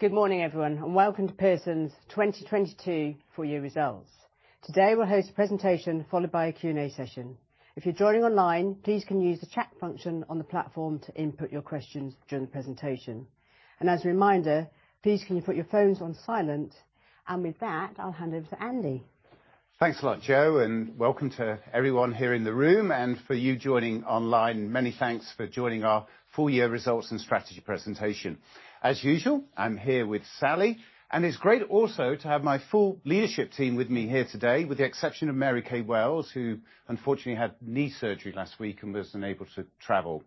Good morning, everyone, welcome to Pearson's 2022 Full Year Results. Today, we'll host a presentation followed by a Q&A session. If you're joining online, please can use the chat function on the platform to input your questions during the presentation. As a reminder, please can you put your phones on silent. With that, I'll hand over to Andy. Thanks a lot, Jo, and welcome to everyone here in the room. For you joining online, many thanks for joining our full year results and strategy presentation. As usual, I'm here with Sally, and it's great also to have my full leadership team with me here today, with the exception of Marykay Wells, who unfortunately, had knee surgery last week and was unable to travel.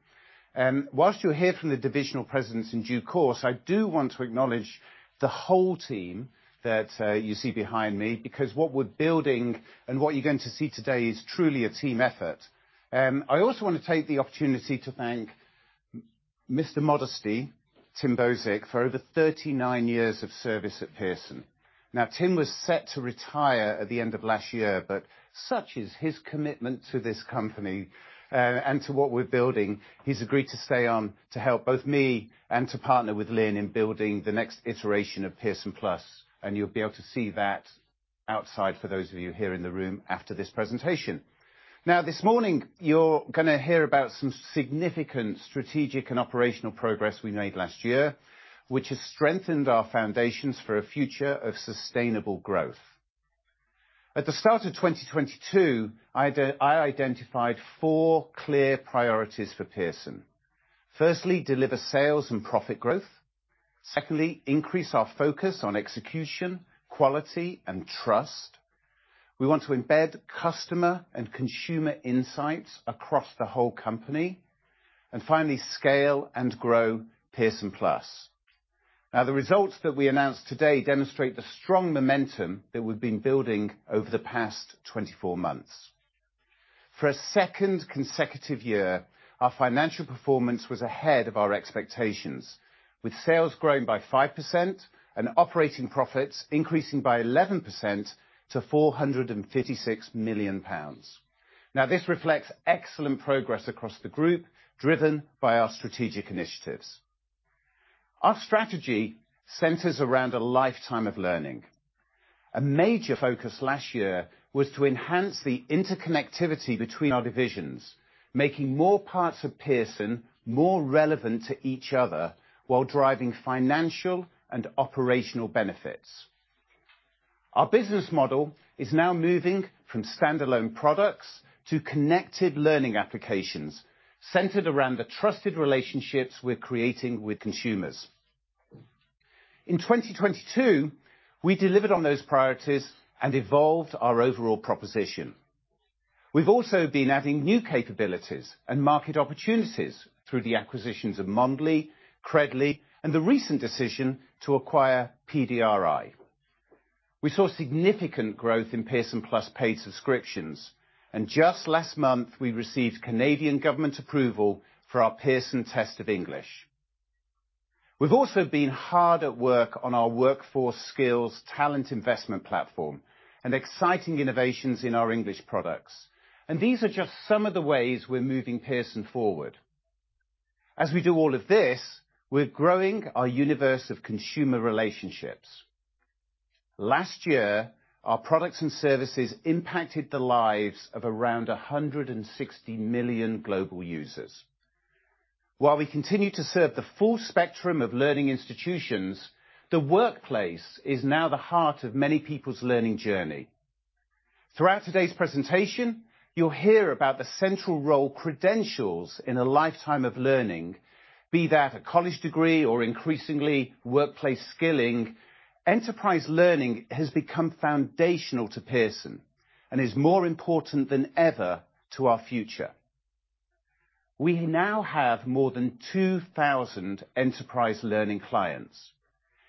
Whilst you'll hear from the divisional presidents in due course, I do want to acknowledge the whole team that you see behind me, because what we're building and what you're going to see today is truly a team effort. I also wanna take the opportunity to thank Mr. Modesty, Tom Bozik, for over 39 years of service at Pearson. Tim was set to retire at the end of last year, but such is his commitment to this company and to what we're building, he's agreed to stay on to help both me and to partner with Lynne in building the next iteration of Pearson+, and you'll be able to see that outside for those of you here in the room after this presentation. This morning, you're gonna hear about some significant strategic and operational progress we made last year, which has strengthened our foundations for a future of sustainable growth. At the start of 2022, I identified four clear priorities for Pearson. Firstly, deliver sales and profit growth. Secondly, increase our focus on execution, quality, and trust. We want to embed customer and consumer insights across the whole company. Finally, scale and grow Pearson+. The results that we announced today demonstrate the strong momentum that we've been building over the past 24 months. For a second consecutive year, our financial performance was ahead of our expectations, with sales growing by 5% and operating profits increasing by 11% to 456 million pounds. This reflects excellent progress across the group, driven by our strategic initiatives. Our strategy centers around a lifetime of learning. A major focus last year was to enhance the interconnectivity between our divisions, making more parts of Pearson more relevant to each other while driving financial and operational benefits. Our business model is now moving from standalone products to connected learning applications centered around the trusted relationships we're creating with consumers. In 2022, we delivered on those priorities and evolved our overall proposition. We've also been adding new capabilities and market opportunities through the acquisitions of Mondly, Credly, and the recent decision to acquire PDRI. We saw significant growth in Pearson Plus paid subscriptions, and just last month, we received Canadian government approval for our Pearson Test of English. We've also been hard at work on our Workforce Skills Talent investment platform and exciting innovations in our English products. These are just some of the ways we're moving Pearson forward. As we do all of this, we're growing our universe of consumer relationships. Last year, our products and services impacted the lives of around 160 million global users. While we continue to serve the full spectrum of learning institutions, the workplace is now the heart of many people's learning journey. Throughout today's presentation, you'll hear about the central role credentials in a lifetime of learning. Be that a college degree or increasingly workplace skilling, enterprise learning has become foundational to Pearson and is more important than ever to our future. We now have more than 2,000 enterprise learning clients.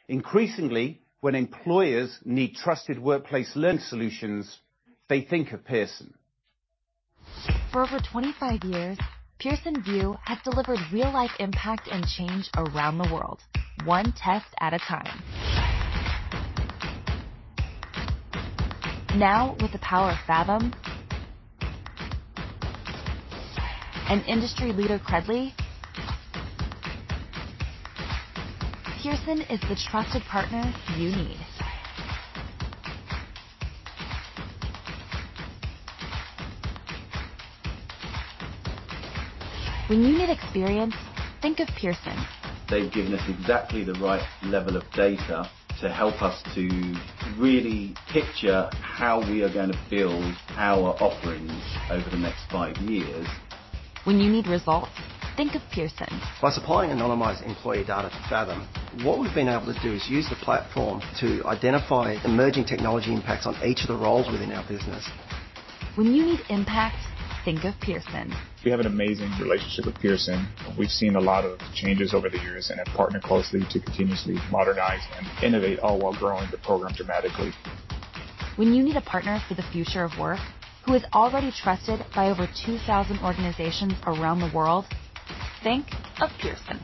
Increasingly, when employers need trusted workplace learning solutions, they think of Pearson. For over 25 years, Pearson VUE have delivered real-life impact and change around the world, one test at a time. Now, with the power of Faethm and industry leader Credly, Pearson is the trusted partner you need. When you need experience, think of Pearson. They've given us exactly the right level of data to help us to really picture how we are gonna build our offerings over the next five years. When you need results, think of Pearson. By supplying anonymized employee data to Faethm, what we've been able to do is use the platform to identify emerging technology impacts on each of the roles within our business. When you need impact, think of Pearson. We have an amazing relationship with Pearson. We've seen a lot of changes over the years and have partnered closely to continuously modernize and innovate, all while growing the program dramatically. When you need a partner for the future of work who is already trusted by over 2,000 organizations around the world, think of Pearson.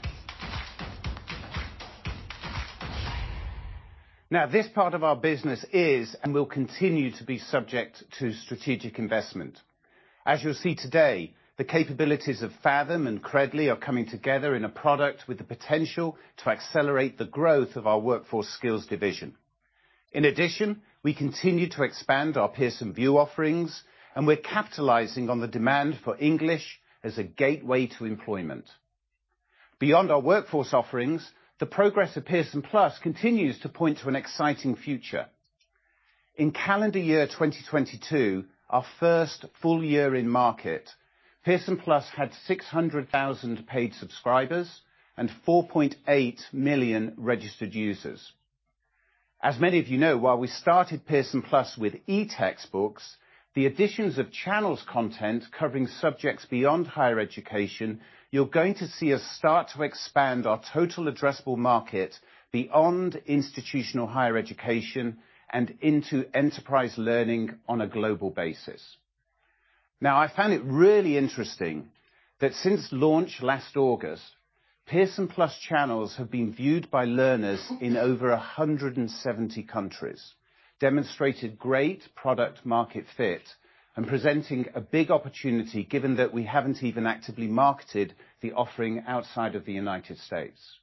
This part of our business is and will continue to be subject to strategic investment. As you'll see today, the capabilities of Faethm and Credly are coming together in a product with the potential to accelerate the growth of our Workforce Skills division. In addition, we continue to expand our Pearson VUE offerings, and we're capitalizing on the demand for English as a gateway to employment. Beyond our Workforce offerings, the progress of Pearson+ continues to point to an exciting future. In calendar year 2022, our first full year in market, Pearson+ had 600,000 paid subscribers and 4.8 million registered users. As many of you know, while we started Pearson+ with e-textbooks, the additions of Channels content covering subjects beyond higher education, you're going to see us start to expand our total addressable market beyond institutional higher education and into enterprise learning on a global basis. I found it really interesting that since launch last August, Pearson+ Channels have been viewed by learners in over 170 countries, demonstrated great product market fit, and presenting a big opportunity given that we haven't even actively marketed the offering outside of the United States.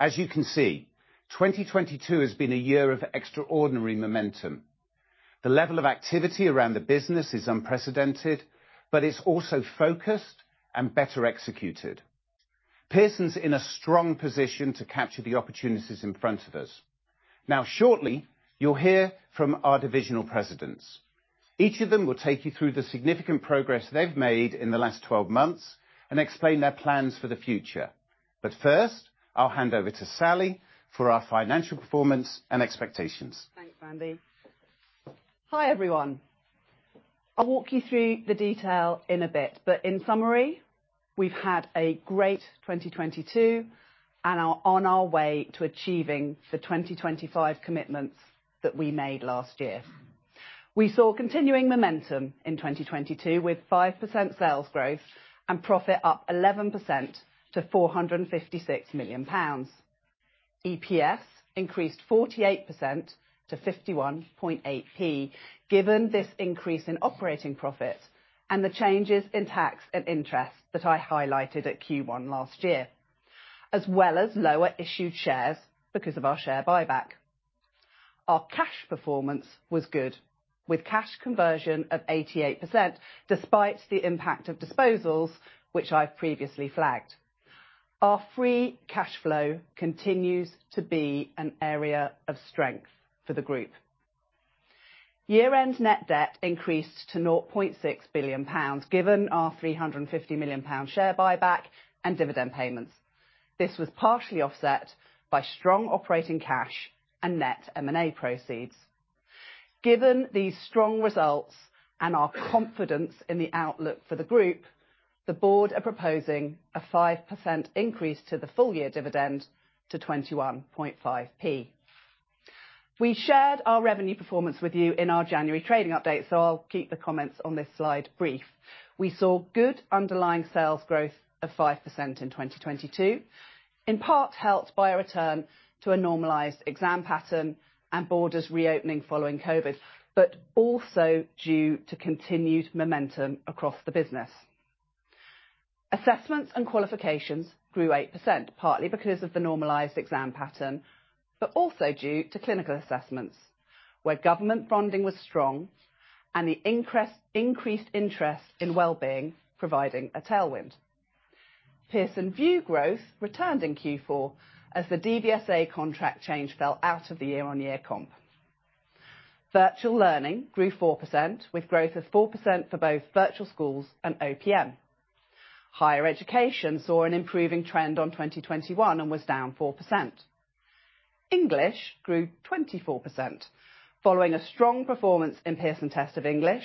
As you can see, 2022 has been a year of extraordinary momentum. The level of activity around the business is unprecedented, but it's also focused and better executed. Pearson's in a strong position to capture the opportunities in front of us. Shortly, you'll hear from our divisional presidents. Each of them will take you through the significant progress they've made in the last 12 months and explain their plans for the future. First, I'll hand over to Sally for our financial performance and expectations. Thanks, Andy. Hi, everyone. I'll walk you through the detail in a bit, but in summary, we've had a great 2022 and are on our way to achieving the 2025 commitments that we made last year. We saw continuing momentum in 2022 with 5% sales growth and profit up 11% to 456 million pounds. EPS increased 48% to 0.518, given this increase in operating profits and the changes in tax and interest that I highlighted at Q1 last year, as well as lower issued shares because of our share buyback. Our cash performance was good, with cash conversion of 88%, despite the impact of disposals, which I previously flagged. Our free cash flow continues to be an area of strength for the group. Year-end net debt increased to 0.6 billion pounds, given our 350 million pound share buyback and dividend payments. This was partially offset by strong operating cash and net M&A proceeds. Given these strong results and our confidence in the outlook for the group, the board are proposing a 5% increase to the full-year dividend to 21.5p. We shared our revenue performance with you in our January trading update, so I'll keep the comments on this slide brief. We saw good underlying sales growth of 5% in 2022, in part helped by a return to a normalized exam pattern and borders reopening following COVID, but also due to continued momentum across the business. Assessments and qualifications grew 8%, partly because of the normalized exam pattern, but also due to clinical assessments, where government bonding was strong and the increased interest in well-being providing a tailwind. Pearson VUE growth returned in Q4 as the DVSA contract change fell out of the year-on-year comp. Virtual learning grew 4%, with growth of 4% for both virtual schools and OPM. Higher education saw an improving trend in 2021 and was down 4%. English grew 24% following a strong performance in Pearson Test of English,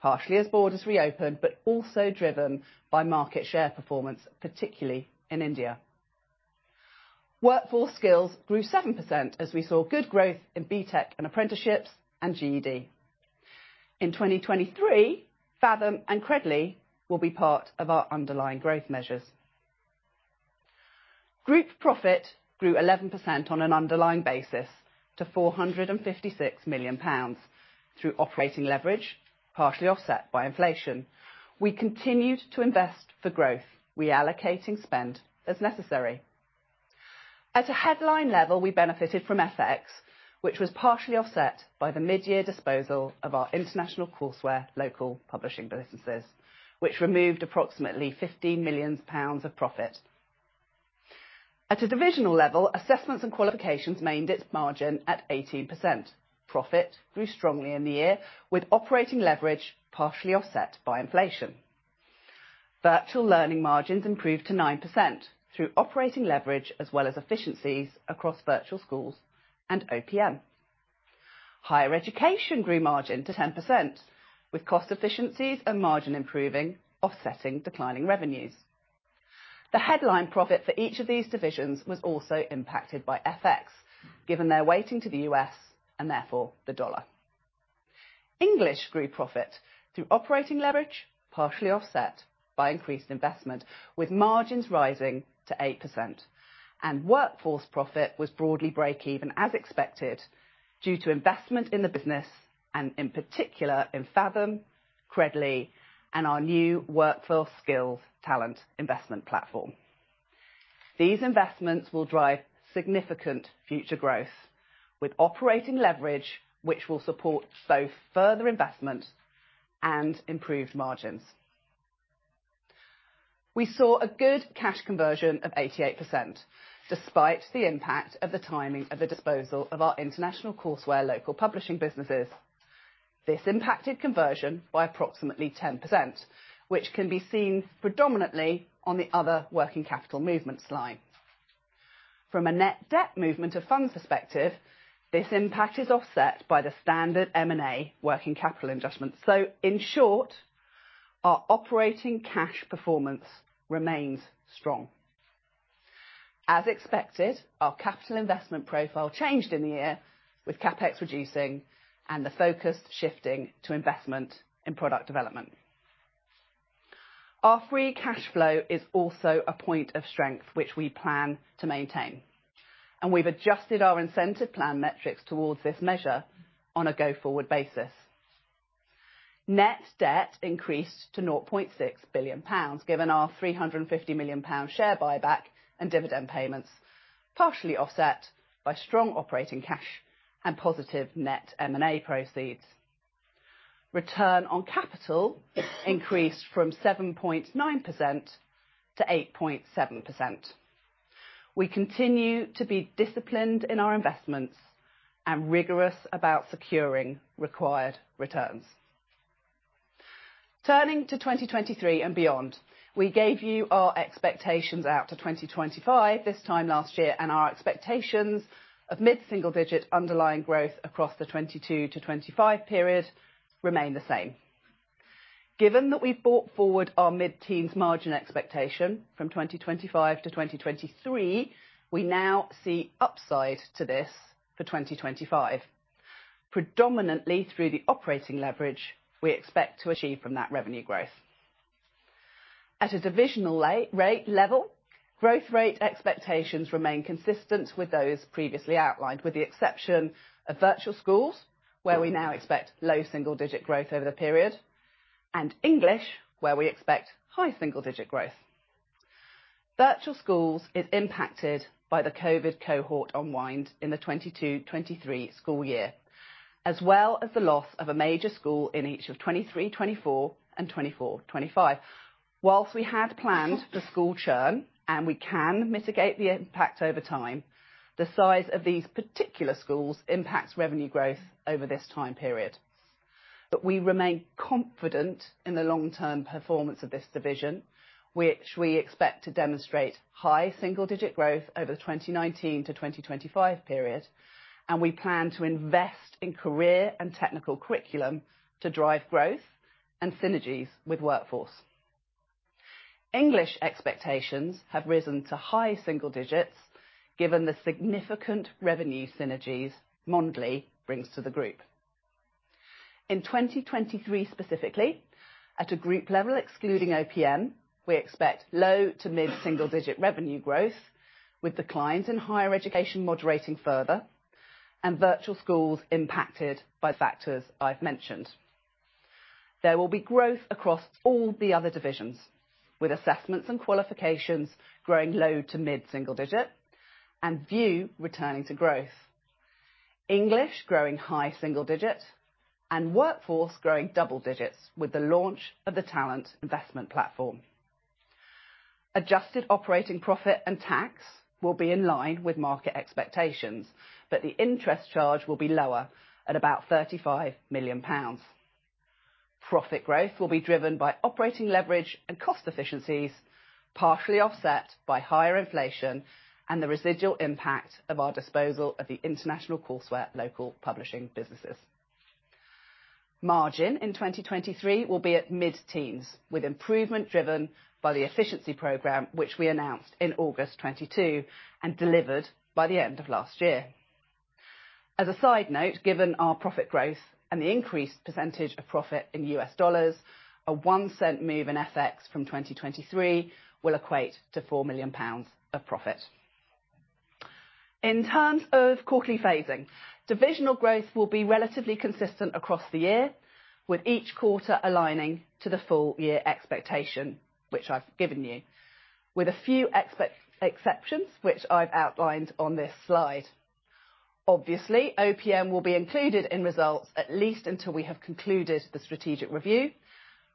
partially as borders reopened, but also driven by market share performance, particularly in India. Workforce Skills grew 7% as we saw good growth in BTEC and apprenticeships and GED. In 2023, Faethm and Credly will be part of our underlying growth measures. Group profit grew 11% on an underlying basis to 456 million pounds through operating leverage, partially offset by inflation. We continued to invest for growth; reallocating spends as necessary. At a headline level, we benefited from FX, which was partially offset by the mid-year disposal of our international courseware local publishing businesses, which removed approximately 15 millions pounds of profit. At a divisional level, Assessments and Qualifications maintained its margin at 18%. Profit grew strongly in the year, with operating leverage partially offset by inflation. Virtual Learning margins improved to 9% through operating leverage as well as efficiencies across virtual schools and OPM. Higher Education grew margin to 10%, with cost efficiencies and margin improving offsetting declining revenues. The headline profit for each of these divisions was also impacted by FX, given their weighting to the U.S. and therefore the dollar. English grew profit through operating leverage, partially offset by increased investment, with margins rising to 8%. Workforce profit was broadly break even as expected, due to investment in the business and in particular in Faethm, Credly and our new Workforce Skills talent investment platform. These investments will drive significant future growth with operating leverage, which will support both further investment and improved margins. We saw a good cash conversion of 88% despite the impact of the timing of the disposal of our international courseware local publishing businesses. This impacted conversion by approximately 10%, which can be seen predominantly on the other working capital movements line. From a net debt movement of funds perspective, this impact is offset by the standard M&A working capital adjustments. In short, our operating cash performance remains strong. As expected, our CapEx reducing and the focus shifting to investment in product development. Our free cash flow is also a point of strength which we plan to maintain, and we've adjusted our incentive plan metrics towards this measure on a go-forward basis. Net debt increased to 0.6 billion pounds given our 350 million pound share buyback and dividend payments, partially offset by strong operating cash and positive net M&A proceeds. Return on capital increased from 7.9% to 8.7%. We continue to be disciplined in our investments and rigorous about securing required returns. Turning to 2023 and beyond, we gave you our expectations out to 2025 this time last year, our expectations of mid-single digit underlying growth across the 2022-2025 period remain the same. Given that we brought forward our mid-teens margin expectation from 2025 to 2023, we now see upside to this for 2025, predominantly through the operating leverage we expect to achieve from that revenue growth. At a divisional rate level, growth rate expectations remain consistent with those previously outlined, with the exception of Virtual Schools, where we now expect low single-digit growth over the period and English, where we expect high single-digit growth. Virtual Schools is impacted by the COVID cohort unwind in the 2022-2023 school year, as well as the loss of a major school in each of 2023-2024 and 2024-2025. Whilst we had planned for school churn and we can mitigate the impact over time, the size of these particular schools impacts revenue growth over this time period. We remain confident in the long-term performance of this division, which we expect to demonstrate high single-digit % growth over the 2019 to 2025 period, and we plan to invest in career and technical curriculum to drive growth and synergies with Workforce. English expectations have risen to high single-digit % given the significant revenue synergies Mondly brings to the group. In 2023 specifically, at a group level, excluding OPM, we expect low to mid-single-digit % revenue growth, with declines in higher education moderating further and Virtual Schools impacted by factors I've mentioned. There will be growth across all the other divisions, with assessments and qualifications growing low to mid-single-digit % and VUE returning to growth. English growing high single digits and Workforce growing double digits with the launch of the Talent investment platform. Adjusted operating profit and tax will be in line with market expectations, the interest charge will be lower at about 35 million pounds. Profit growth will be driven by operating leverage and cost efficiencies, partially offset by higher inflation and the residual impact of our disposal of the international courseware local publishing businesses. Margin in 2023 will be at mid-teens, with improvement driven by the efficiency program, which we announced in August 2022 and delivered by the end of last year. A side note, given our profit growth and the increased percentage of profit in U.S. dollars, a 1 cent move in FX from 2023 will equate to 4 million pounds of profit. In terms of quarterly phasing, divisional growth will be relatively consistent across the year, with each quarter aligning to the full year expectation, which I've given you, with a few exceptions, which I've outlined on this slide. OPM will be included in results at least until we have concluded the strategic review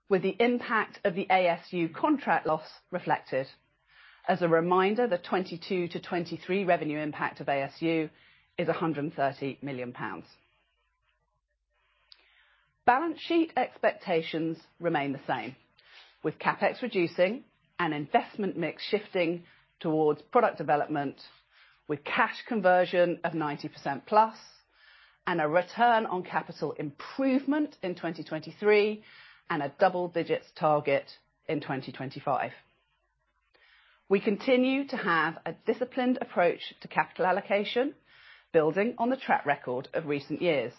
with the impact of the ASU contract loss reflected. As a reminder, the 2022-2023 revenue impact of ASU is 130 million pounds. Balance sheet expectations remain the same. CapEx reducing and investment mix shifting towards product development, with cash conversion of 90%+ and a return on capital improvement in 2023 and a double digits target in 2025. We continue to have a disciplined approach to capital allocation, building on the track record of recent years.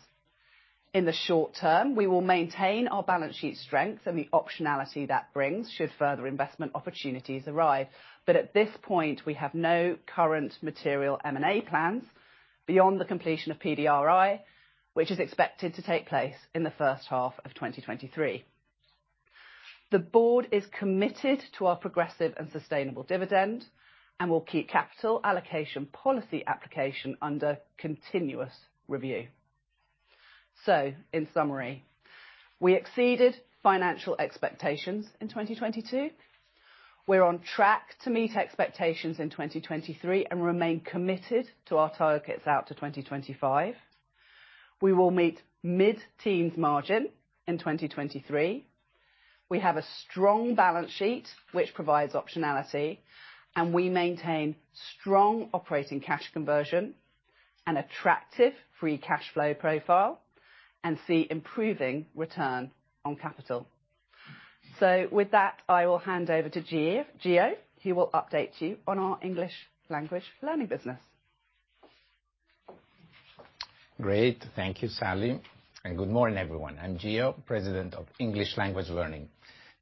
In the short term, we will maintain our balance sheet strength and the optionality that brings should further investment opportunities arrive. At this point, we have no current material M&A plans beyond the completion of PDRI, which is expected to take place in the first half of 2023. The board is committed to our progressive and sustainable dividend, and will keep capital allocation policy application under continuous review. In summary, we exceeded financial expectations in 2022. We're on track to meet expectations in 2023 and remain committed to our targets out to 2025. We will meet mid-teens margin in 2023. We have a strong balance sheet, which provides optionality, and we maintain strong operating cash conversion and attractive free cash flow profile and see improving return on capital. With that, I will hand over to Gio. He will update you on our English language learning business. Great. Thank you, Sally. Good morning, everyone. I'm Gio, President of English Language Learning.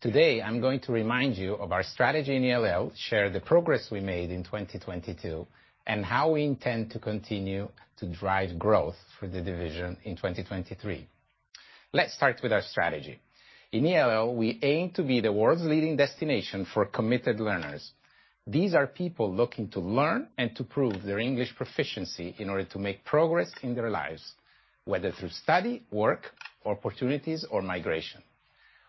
Today, I'm going to remind you of our strategy in ELL, share the progress we made in 2022, how we intend to continue to drive growth for the division in 2023. Let's start with our strategy. In ELL, we aim to be the world's leading destination for committed learners. These are people looking to learn and to prove their English proficiency in order to make progress in their lives, whether through study, work, opportunities or migration.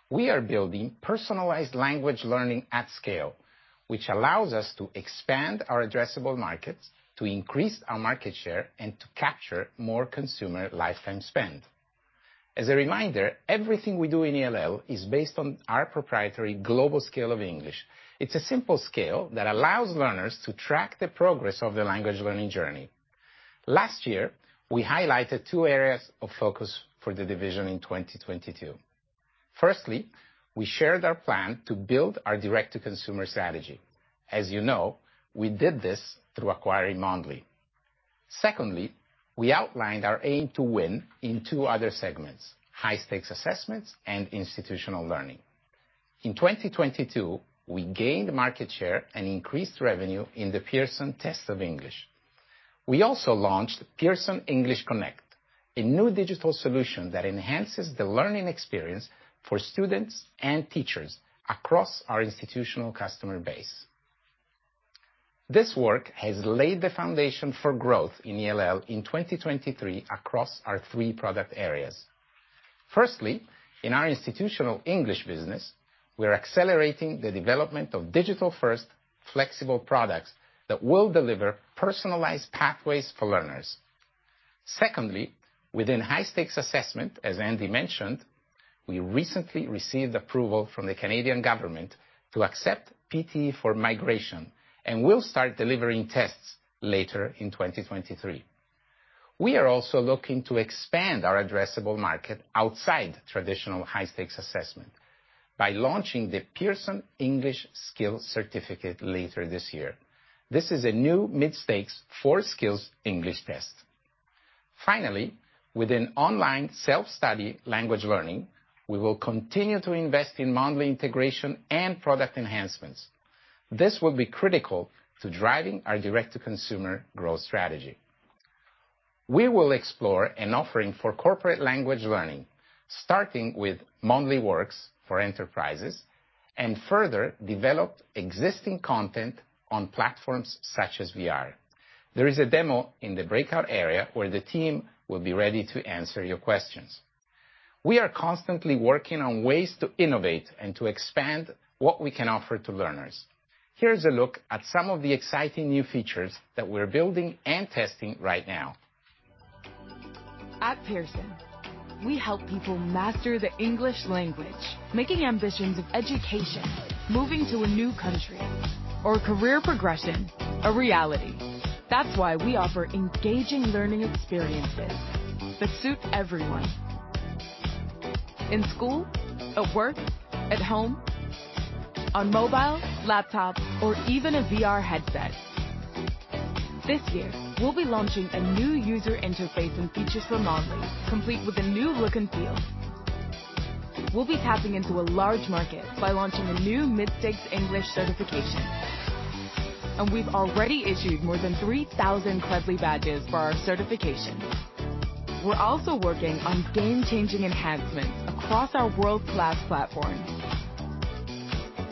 We are building personalized language learning at scale, which allows us to expand our addressable markets, to increase our market share, to capture more consumer lifetime spend. As a reminder, everything we do in ELL is based on our proprietary Global Scale of English. It's a simple scale that allows learners to track the progress of their language learning journey. Last year, we highlighted two areas of focus for the division in 2022. Firstly, we shared our plan to build our direct-to-consumer strategy. As you know, we did this through acquiring Mondly. Secondly, we outlined our aim to win in two other segments: high stakes assessments and institutional learning. In 2022, we gained market share and increased revenue in the Pearson Test of English. We also launched Pearson English Connect, a new digital solution that enhances the learning experience for students and teachers across our institutional customer base. This work has laid the foundation for growth in ELL in 2023 across our three product areas. Firstly, in our institutional English business, we're accelerating the development of digital-first flexible products that will deliver personalized pathways for learners. Within high stakes assessment, as Andy mentioned, we recently received approval from the Canadian government to accept PTE for migration, and we'll start delivering tests later in 2023. We are also looking to expand our addressable market outside traditional high stakes assessment by launching the Pearson English Skills Certificate later this year. This is a new mid-stakes four skills English test. Within online self-study language learning, we will continue to invest in Mondly integration and product enhancements. This will be critical to driving our direct-to-consumer growth strategy. We will explore an offering for corporate language learning, starting with Mondly Works for enterprises and further develop existing content on platforms such as VR. There is a demo in the breakout area where the team will be ready to answer your questions. We are constantly working on ways to innovate and to expand what we can offer to learners. Here's a look at some of the exciting new features that we're building and testing right now. At Pearson, we help people master the English language, making ambitions of education, moving to a new country or career progression a reality. That's why we offer engaging learning experiences that suit everyone, in school, at work, at home, on mobile, laptop, or even a VR headset. This year, we'll be launching a new user interface and features for Mondly, complete with a new look and feel. We'll be tapping into a large market by launching a new mid-stakes English certification. We've already issued more than 3,000 Credly badges for our certifications. We're also working on game-changing enhancements across our world-class platform.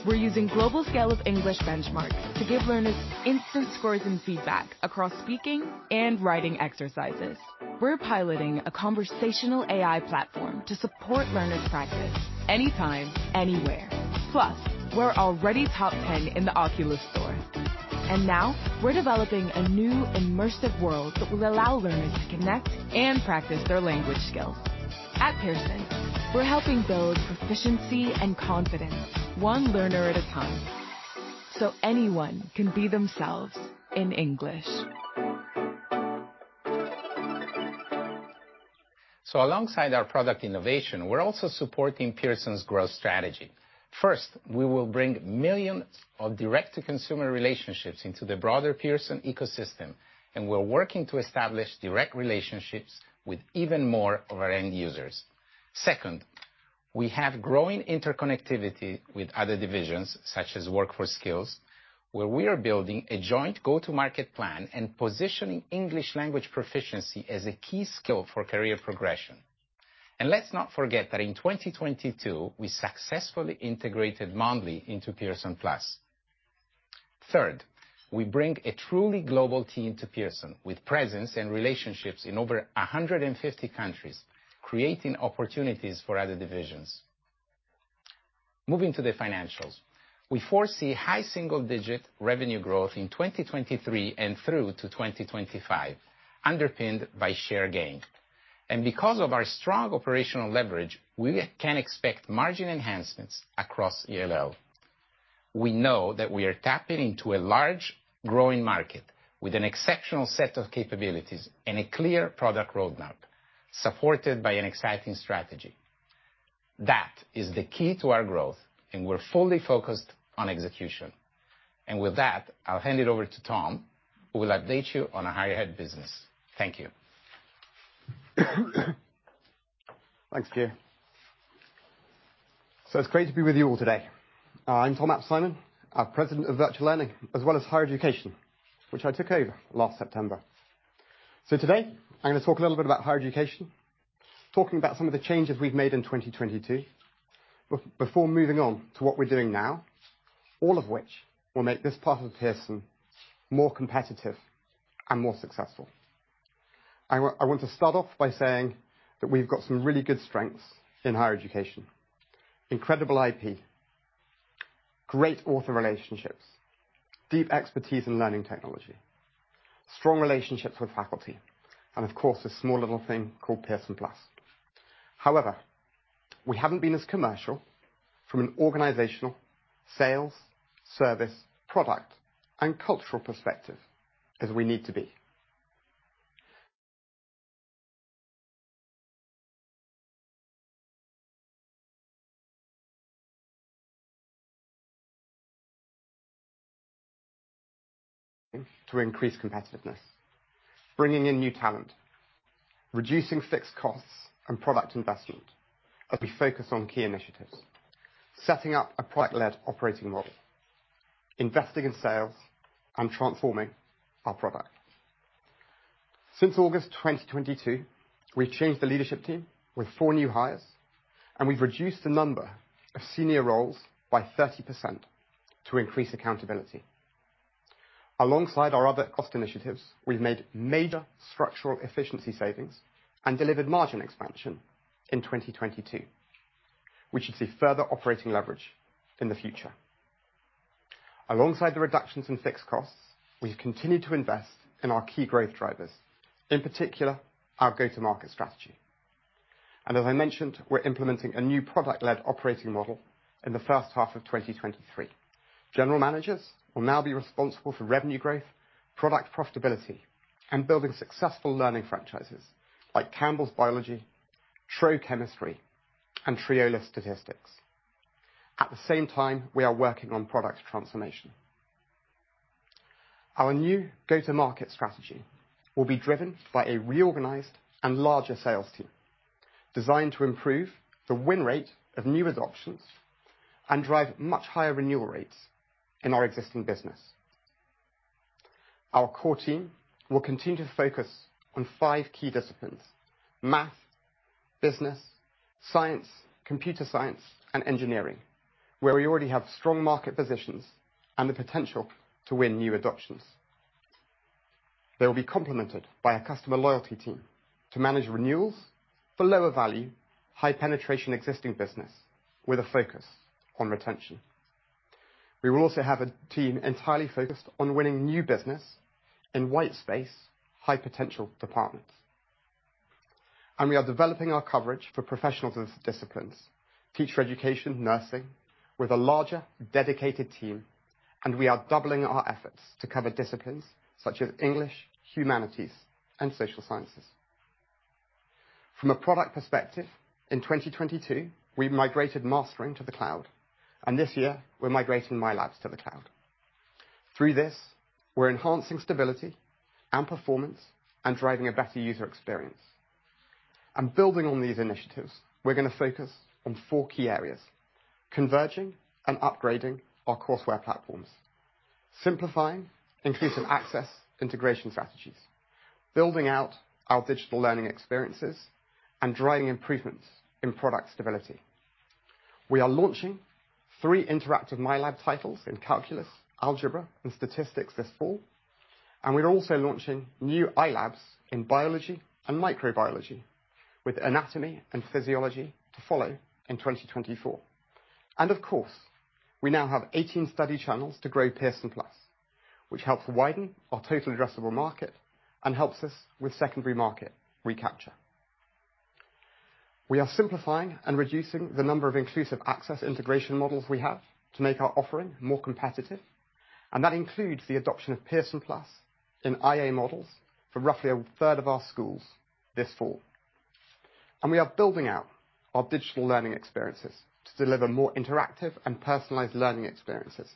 We're using Global Scale of English benchmarks to give learners instant scores and feedback across speaking and writing exercises. We're piloting a conversational AI platform to support learners practice anytime, anywhere. We're already top 10 in the Oculus store. Now we're developing a new immersive world that will allow learners to connect and practice their language skills. At Pearson, we're helping build proficiency and confidence, one learner at a time. Anyone can be themselves in English. Alongside our product innovation, we're also supporting Pearson's growth strategy. First, we will bring millions of direct-to-consumer relationships into the broader Pearson ecosystem, and we're working to establish direct relationships with even more of our end users. Second, we have growing interconnectivity with other divisions such as Workforce Skills, where we are building a joint go-to-market plan and positioning English language proficiency as a key skill for career progression. Let's not forget that in 2022, we successfully integrated Mondly into Pearson+. Third, we bring a truly global team to Pearson with presence and relationships in over 150 countries, creating opportunities for other divisions. Moving to the financials. We foresee high single-digit revenue growth in 2023 and through to 2025, underpinned by share gain. Because of our strong operational leverage, we can expect margin enhancements across ELL. We know that we are tapping into a large growing market with an exceptional set of capabilities and a clear product roadmap, supported by an exciting strategy. That is the key to our growth, and we're fully focused on execution. With that, I'll hand it over to Tom, who will update you on our Higher Ed business. Thank you. Thanks, Gio. It's great to be with you all today. I'm Tom aps Simon, our President of Virtual Learning, as well as Higher Education, which I took over last September. Today I'm gonna talk a little bit about Higher Education, talking about some of the changes we've made in 2022, before moving on to what we're doing now, all of which will make this part of Pearson more competitive and more successful. I want to start off by saying that we've got some really good strengths in Higher Education, incredible IP, great author relationships, deep expertise in learning technology, strong relationships with faculty, and of course, a small little thing called Pearson+. However, we haven't been as commercial from an organizational, sales, service, product, and cultural perspective as we need to be. To increase competitiveness, bringing in new talent, reducing fixed costs and product investment as we focus on key initiatives, setting up a product-led operating model, investing in sales and transforming our product. Since August 2022, we've changed the leadership team with four new hires. We've reduced the number of senior roles by 30% to increase accountability. Alongside our other cost initiatives, we've made major structural efficiency savings and delivered margin expansion in 2022. We should see further operating leverage in the future. Alongside the reductions in fixed costs, we've continued to invest in our key growth drivers, in particular, our go-to-market strategy. As I mentioned, we're implementing a new product-led operating model in the first half of 2023. General managers will now be responsible for revenue growth, product profitability, and building successful learning franchises like Campbell Biology, Tro Chemistry, and Triola Statistics. At the same time, we are working on product transformation. Our new go-to-market strategy will be driven by a reorganized and larger sales team designed to improve the win rate of new adoptions and drive much higher renewal rates in our existing business. Our core team will continue to focus on 5 key disciplines: math, business, science, computer science, and engineering, where we already have strong market positions and the potential to win new adoptions. They'll be complemented by a customer loyalty team to manage renewals for lower value, high penetration existing business with a focus on retention. We will also have a team entirely focused on winning new business in white space, high potential departments. We are developing our coverage for professionals disciplines, teacher education, nursing with a larger dedicated team, and we are doubling our efforts to cover disciplines such as English, humanities, and social sciences. From a product perspective, in 2022, we migrated Mastering to the cloud. This year we're migrating MyLab to the cloud. Through this, we're enhancing stability and performance and driving a better user experience. Building on these initiatives, we're gonna focus on four key areas: converging and upgrading our courseware platforms, simplifying increasing access integration strategies, building out our digital learning experiences, and driving improvements in product stability. We are launching three interactive MyLab titles in calculus, algebra, and statistics this fall. We're also launching new iLab in biology and microbiology with anatomy and physiology to follow in 2024. Of course, we now have 18 study channels to grow Pearson+, which helps widen our total addressable market and helps us with secondary market recapture. We are simplifying and reducing the number of Inclusive Access integration models we have to make our offering more competitive, and that includes the adoption of Pearson+ in IA models for roughly a third of our schools this fall. We are building out our digital learning experiences to deliver more interactive and personalized learning experiences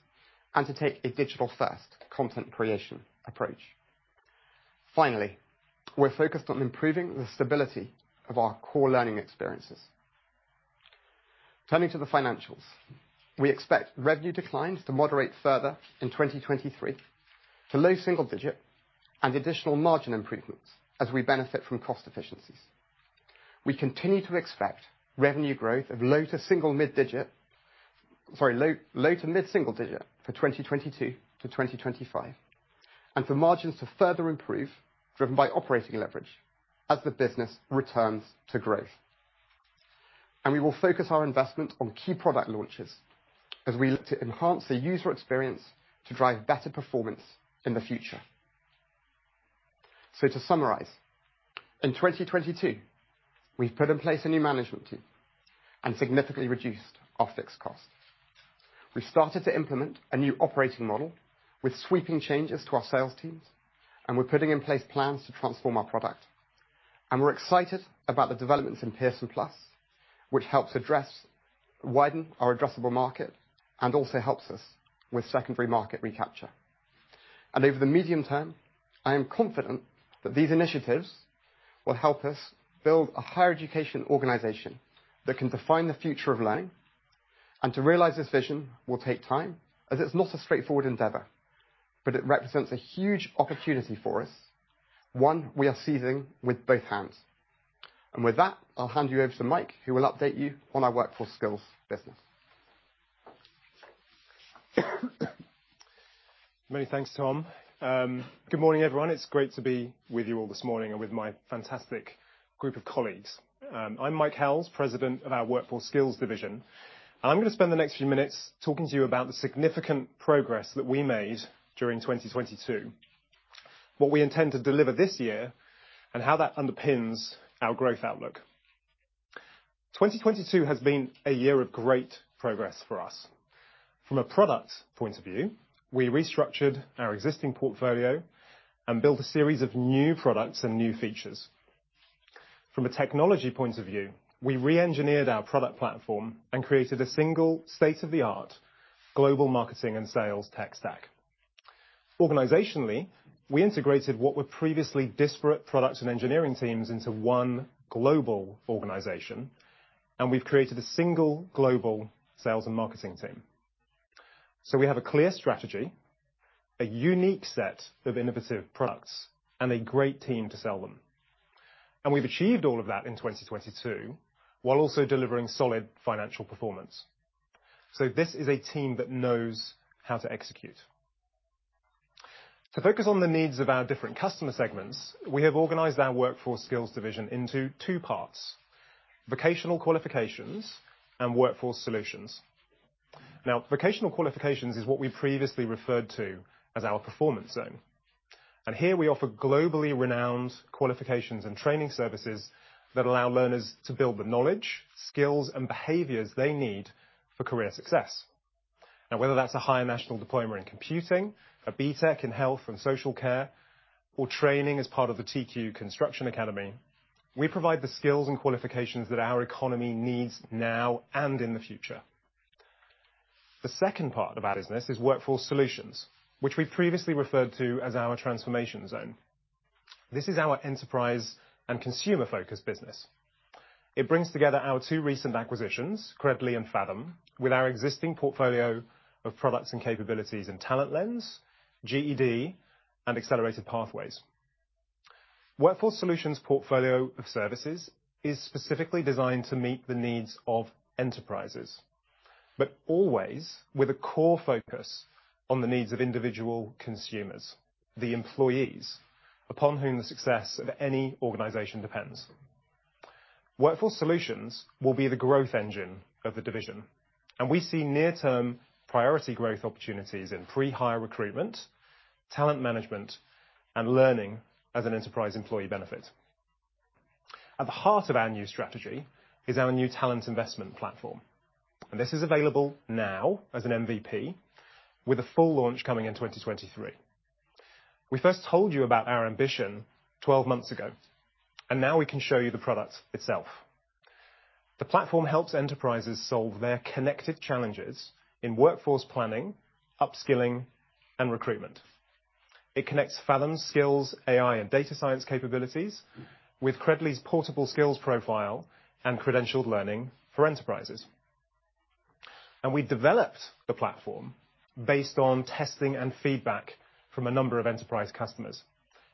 and to take a digital-first content creation approach. Finally, we're focused on improving the stability of our core learning experiences. Turning to the financials, we expect revenue declines to moderate further in 2023 to low single digit% and additional margin improvements as we benefit from cost efficiencies. We continue to expect revenue growth of low to single mid digit%... Sorry, low to mid-single digit for 2022 to 2025, and for margins to further improve, driven by operating leverage as the business returns to growth. We will focus our investment on key product launches as we look to enhance the user experience to drive better performance in the future. To summarize, in 2022, we've put in place a new management team and significantly reduced our fixed costs. We started to implement a new operating model with sweeping changes to our sales teams, and we're putting in place plans to transform our product. We're excited about the developments in Pearson+, which helps widen our addressable market and also helps us with secondary market recapture. Over the medium term, I am confident that these initiatives will help us build a higher education organization that can define the future of learning. To realize this vision will take time, as it's not a straightforward endeavor, but it represents a huge opportunity for us, one we are seizing with both hands. With that, I'll hand you over to Mike, who will update you on our Workforce Skills business. Many thanks, Tom. Good morning, everyone. It's great to be with you all this morning and with my fantastic group of colleagues. I'm Mike Howells, President of our Workforce Skills division, and I'm gonna spend the next few minutes talking to you about the significant progress that we made during 2022, what we intend to deliver this year, and how that underpins our growth outlook. 2022 has been a year of great progress for us. From a product point of view, we restructured our existing portfolio and built a series of new products and new features. From a technology point of view, we reengineered our product platform and created a single state-of-the-art global marketing and sales tech stack. Organizationally, we integrated what were previously disparate products and engineering teams into one global organization, and we've created a single global sales and marketing team. We have a clear strategy, a unique set of innovative products, and a great team to sell them. We've achieved all of that in 2022, while also delivering solid financial performance. This is a team that knows how to execute. To focus on the needs of our different customer segments, we have organized our Workforce Skills division into two parts, Vocational Qualifications and Workforce Solutions. Vocational Qualifications is what we previously referred to as our performance zone, and here we offer globally renowned qualifications and training services that allow learners to build the knowledge, skills, and behaviors they need for career success. Whether that's a higher national diploma in computing, a BTEC in health and social care, or training as part of the TQ Construction Academy, we provide the skills and qualifications that our economy needs now and in the future. The second part of our business is Workforce Solutions, which we previously referred to as our transformation zone. This is our enterprise and consumer-focused business. It brings together our two recent acquisitions, Credly and Faethm, with our existing portfolio of products and capabilities in TalentLens, GED, and Accelerated Pathways. Workforce Solutions' portfolio of services is specifically designed to meet the needs of enterprises, but always with a core focus on the needs of individual consumers, the employees upon whom the success of any organization depends. Workforce Solutions will be the growth engine of the division, and we see near-term priority growth opportunities in pre-hire recruitment, talent management, and learning as an enterprise employee benefit. At the heart of our new strategy is our new talent investment platform, and this is available now as an MVP with a full launch coming in 2023. We first told you about our ambition 12 months ago, and now we can show you the product itself. The platform helps enterprises solve their connected challenges in workforce planning, upskilling, and recruitment. It connects Faethm's skills, AI, and data science capabilities with Credly's portable skills profile and credentialed learning for enterprises. We developed the platform based on testing and feedback from a number of enterprise customers,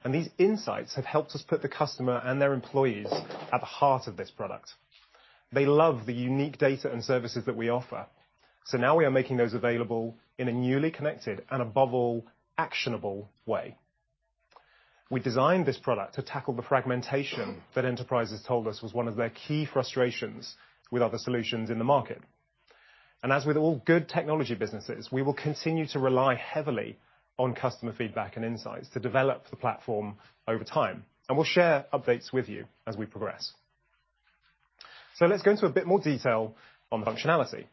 and these insights have helped us put the customer and their employees at the heart of this product. They love the unique data and services that we offer, so now we are making those available in a newly connected and, above all, actionable way. We designed this product to tackle the fragmentation that enterprises told us was one of their key frustrations with other solutions in the market. As with all good technology businesses, we will continue to rely heavily on customer feedback and insights to develop the platform over time, and we'll share updates with you as we progress. Let's go into a bit more detail on functionality.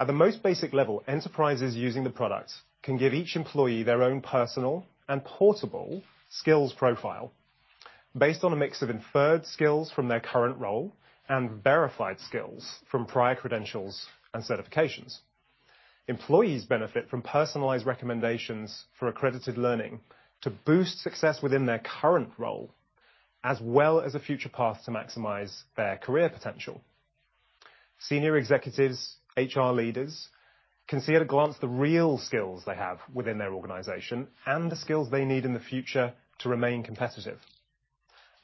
At the most basic level, enterprises using the product can give each employee their own personal and portable skills profile based on a mix of inferred skills from their current role and verified skills from prior credentials and certifications. Employees benefit from personalized recommendations for accredited learning to boost success within their current role, as well as a future path to maximize their career potential. Senior executives, HR leaders, can see at a glance the real skills they have within their organization and the skills they need in the future to remain competitive.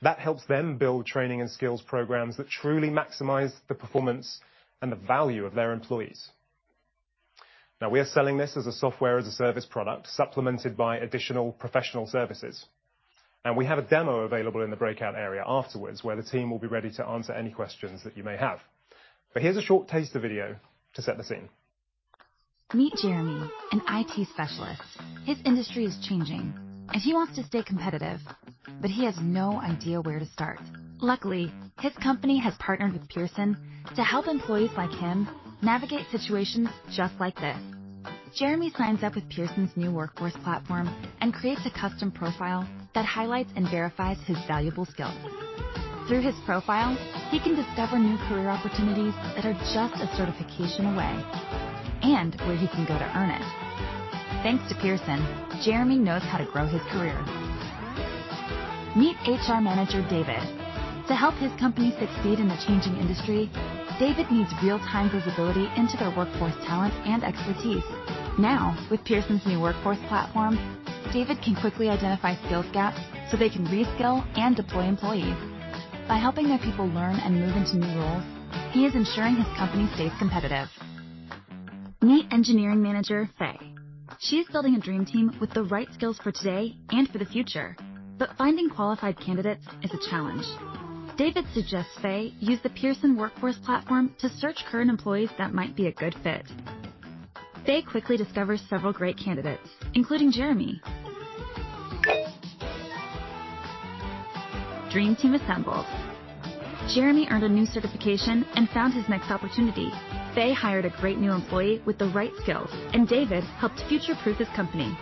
That helps them build training and skills programs that truly maximize the performance and the value of their employees. We are selling this as a software as a service product, supplemented by additional professional services. We have a demo available in the breakout area afterwards, where the team will be ready to answer any questions that you may have. Here's a short taster video to set the scene. Meet Jeremy, an IT specialist. His industry is changing and he wants to stay competitive, but he has no idea where to start. Luckily, his company has partnered with Pearson to help employees like him navigate situations just like this. Jeremy signs up with Pearson's new Workforce platform and creates a custom profile that highlights and verifies his valuable skills. Through his profile, he can discover new career opportunities that are just a certification away and where he can go to earn it. Thanks to Pearson, Jeremy knows how to grow his career. Meet HR Manager David. To help his company succeed in a changing industry, David needs real-time visibility into their workforce talent and expertise. With Pearson's new Workforce platform, David can quickly identify skills gaps so they can reskill and deploy employees. By helping their people learn and move into new roles, he is ensuring his company stays competitive. Meet engineering manager, Faye. She's building a dream team with the right skills for today and for the future. Finding qualified candidates is a challenge. David suggests Faye use the Pearson Workforce platform to search current employees that might be a good fit. Faye quickly discovers several great candidates, including Jeremy. Dream team assembled. Jeremy earned a new certification and found his next opportunity. Faye hired a great new employee with the right skills, and David helped future-proof his company.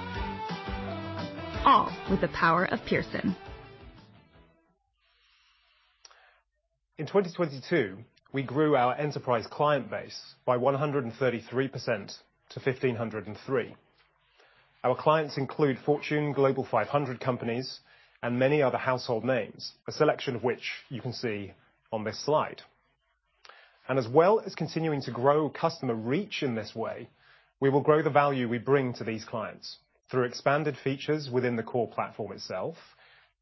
All with the power of Pearson. In 2022, we grew our enterprise client base by 133% to 1,503. Our clients include Fortune Global 500 companies and many other household names, a selection of which you can see on this slide. As well as continuing to grow customer reach in this way, we will grow the value we bring to these clients through expanded features within the core platform itself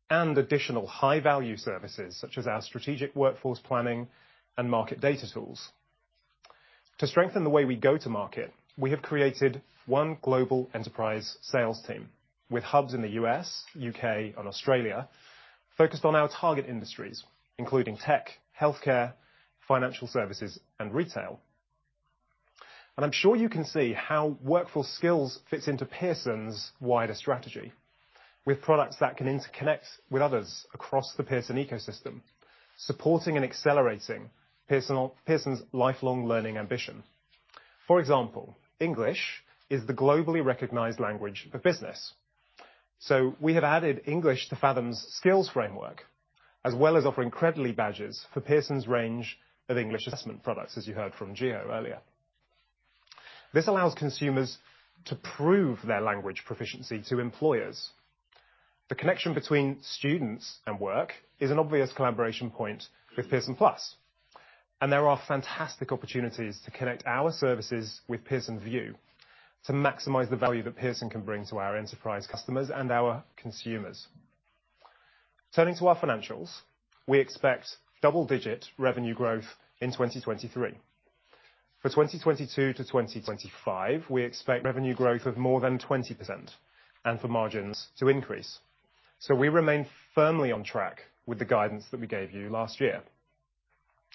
and additional high-value services, such as our strategic workforce planning and market data tools. To strengthen the way we go to market, we have created one global enterprise sales team with hubs in the U.S., U.K., and Australia, focused on our target industries, including tech, healthcare, financial services, and retail. I'm sure you can see how Workforce Skills fits into Pearson's wider strategy with products that can interconnect with others across the Pearson ecosystem, supporting and accelerating Pearson's lifelong learning ambition. For example, English is the globally recognized language for business, so we have added English to Faethm's skills framework, as well as offer Credly badges for Pearson's range of English assessment products, as you heard from Gio earlier. This allows consumers to prove their language proficiency to employers. The connection between students and work is an obvious collaboration point with Pearson+, and there are fantastic opportunities to connect our services with Pearson VUE to maximize the value that Pearson can bring to our enterprise customers and our consumers. Turning to our financials, we expect double-digit revenue growth in 2023. For 2022 to 2025, we expect revenue growth of more than 20% and for margins to increase. We remain firmly on track with the guidance that we gave you last year.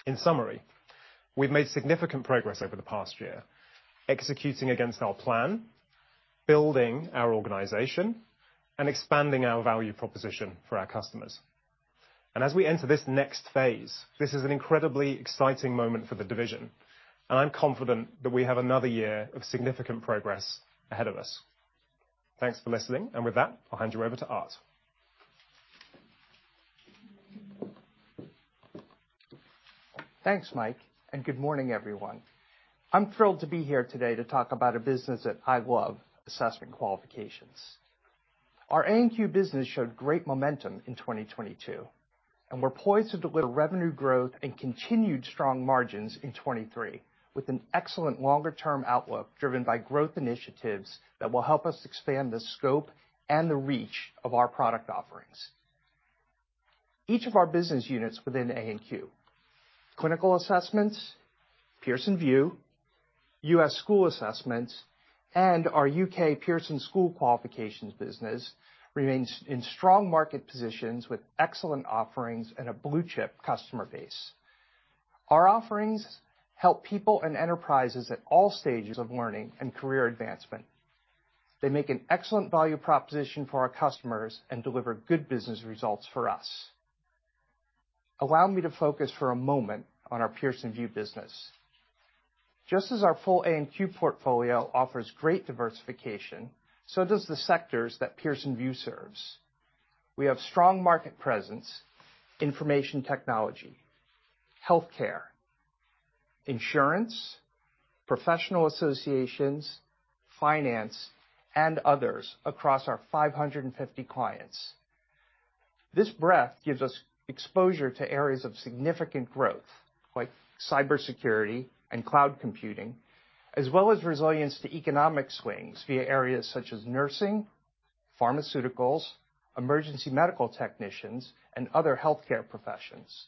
In summary, we've made significant progress over the past year, executing against our plan, building our organization, and expanding our value proposition for our customers. As we enter this next phase, this is an incredibly exciting moment for the division, and I'm confident that we have another year of significant progress ahead of us. Thanks for listening, and with that, I'll hand you over to Art. Thanks, Mike. Good morning, everyone. I'm thrilled to be here today to talk about a business that I love, Assessment Qualifications. Our A&Q business showed great momentum in 2022, and we're poised to deliver revenue growth and continued strong margins in 2023, with an excellent longer-term outlook driven by growth initiatives that will help us expand the scope and the reach of our product offerings. Each of our business units within A&Q, Clinical Assessment, Pearson VUE, US Student Assessments, and our UK Pearson School Qualifications business remains in strong market positions with excellent offerings and a blue-chip customer base. Our offerings help people and enterprises at all stages of learning and career advancement. They make an excellent value proposition for our customers and deliver good business results for us. Allow me to focus for a moment on our Pearson VUE business. Just as our full A&Q portfolio offers great diversification, so does the sectors that Pearson VUE serves. We have strong market presence, information technology, healthcare, insurance, professional associations, finance, and others across our 550 clients. This breadth gives us exposure to areas of significant growth, like cybersecurity and cloud computing, as well as resilience to economic swings via areas such as nursing, pharmaceuticals, emergency medical technicians, and other healthcare professions.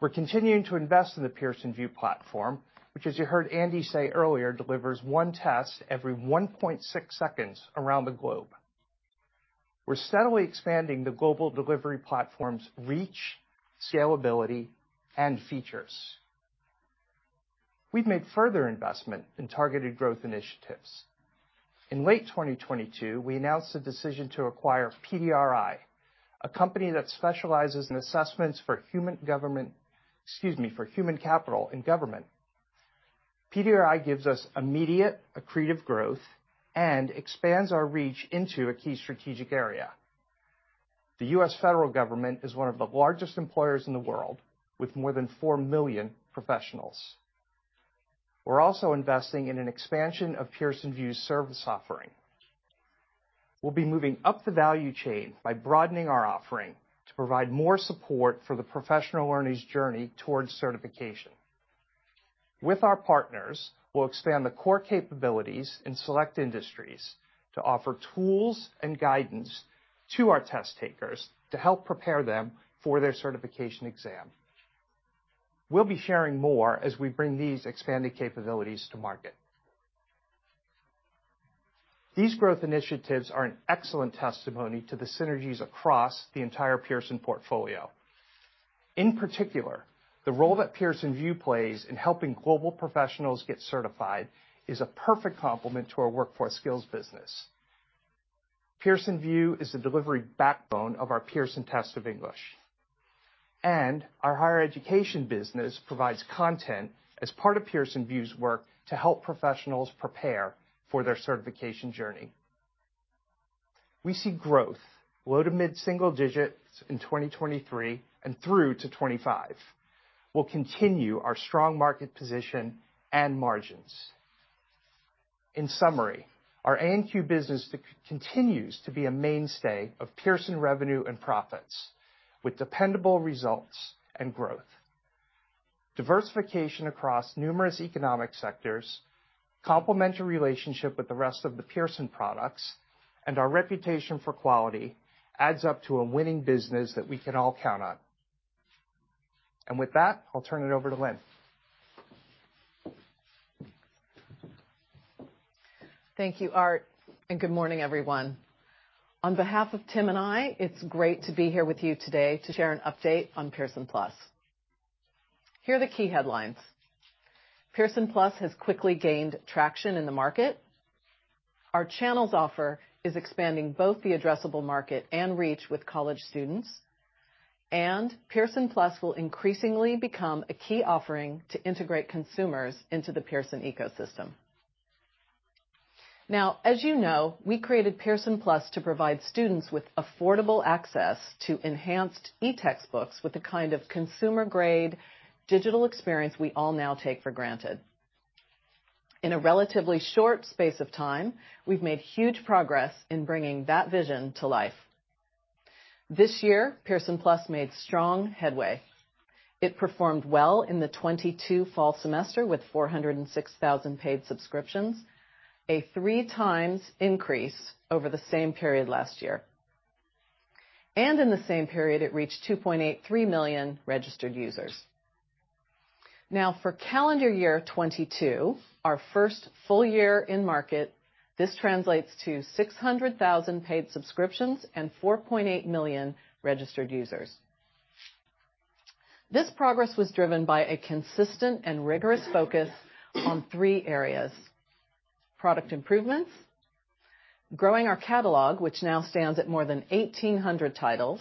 We're continuing to invest in the Pearson VUE platform, which, as you heard Andy say earlier, delivers 1 test every 1.6 seconds around the globe. We're steadily expanding the global delivery platform's reach, scalability, and features. We've made further investment in targeted growth initiatives. In late 2022, we announced a decision to acquire PDRI, a company that specializes in assessments for human government, excuse me, for human capital in government. PDRI gives us immediate accretive growth and expands our reach into a key strategic area. The U.S. federal government is one of the largest employers in the world, with more than 4 million professionals. We're also investing in an expansion of Pearson VUE's service offering. We'll be moving up the value chain by broadening our offering to provide more support for the professional learner's journey towards certification. With our partners, we'll expand the core capabilities in select industries to offer tools and guidance to our test-takers to help prepare them for their certification exam. We'll be sharing more as we bring these expanded capabilities to market. These growth initiatives are an excellent testimony to the synergies across the entire Pearson portfolio. In particular, the role that Pearson VUE plays in helping global professionals get certified is a perfect complement to our Workforce Skills business. Pearson VUE is the delivery backbone of our Pearson Test of English. Our higher education business provides content as part of Pearson VUE's work to help professionals prepare for their certification journey. We see growth low to mid-single digits in 2023 and through to 2025 will continue our strong market position and margins. In summary, our A&Q business continues to be a mainstay of Pearson revenue and profits with dependable results and growth. Diversification across numerous economic sectors, complementary relationship with the rest of the Pearson products, and our reputation for quality adds up to a winning business that we can all count on. With that, I'll turn it over to Lynne. Thank you, Art, and good morning, everyone. On behalf of Tom and I, it's great to be here with you today to share an update on Pearson+. Here are the key headlines. Pearson+ has quickly gained traction in the market. Our Channels offer is expanding both the addressable market and reach with college students. Pearson+ will increasingly become a key offering to integrate consumers into the Pearson ecosystem. As you know, we created Pearson+ to provide students with affordable access to enhanced e-textbooks with the kind of consumer-grade digital experience we all now take for granted. In a relatively short space of time, we've made huge progress in bringing that vision to life. This year, Pearson+ made strong headway. It performed well in the 2022 fall semester with 406,000 paid subscriptions, a 3 times increase over the same period last year. In the same period, it reached 2.83 million registered users. Now, for calendar year 2022, our first full year in market, this translates to 600,000 paid subscriptions and 4.8 million registered users. This progress was driven by a consistent and rigorous focus on three areas: product improvements, growing our catalog, which now stands at more than 1,800 titles,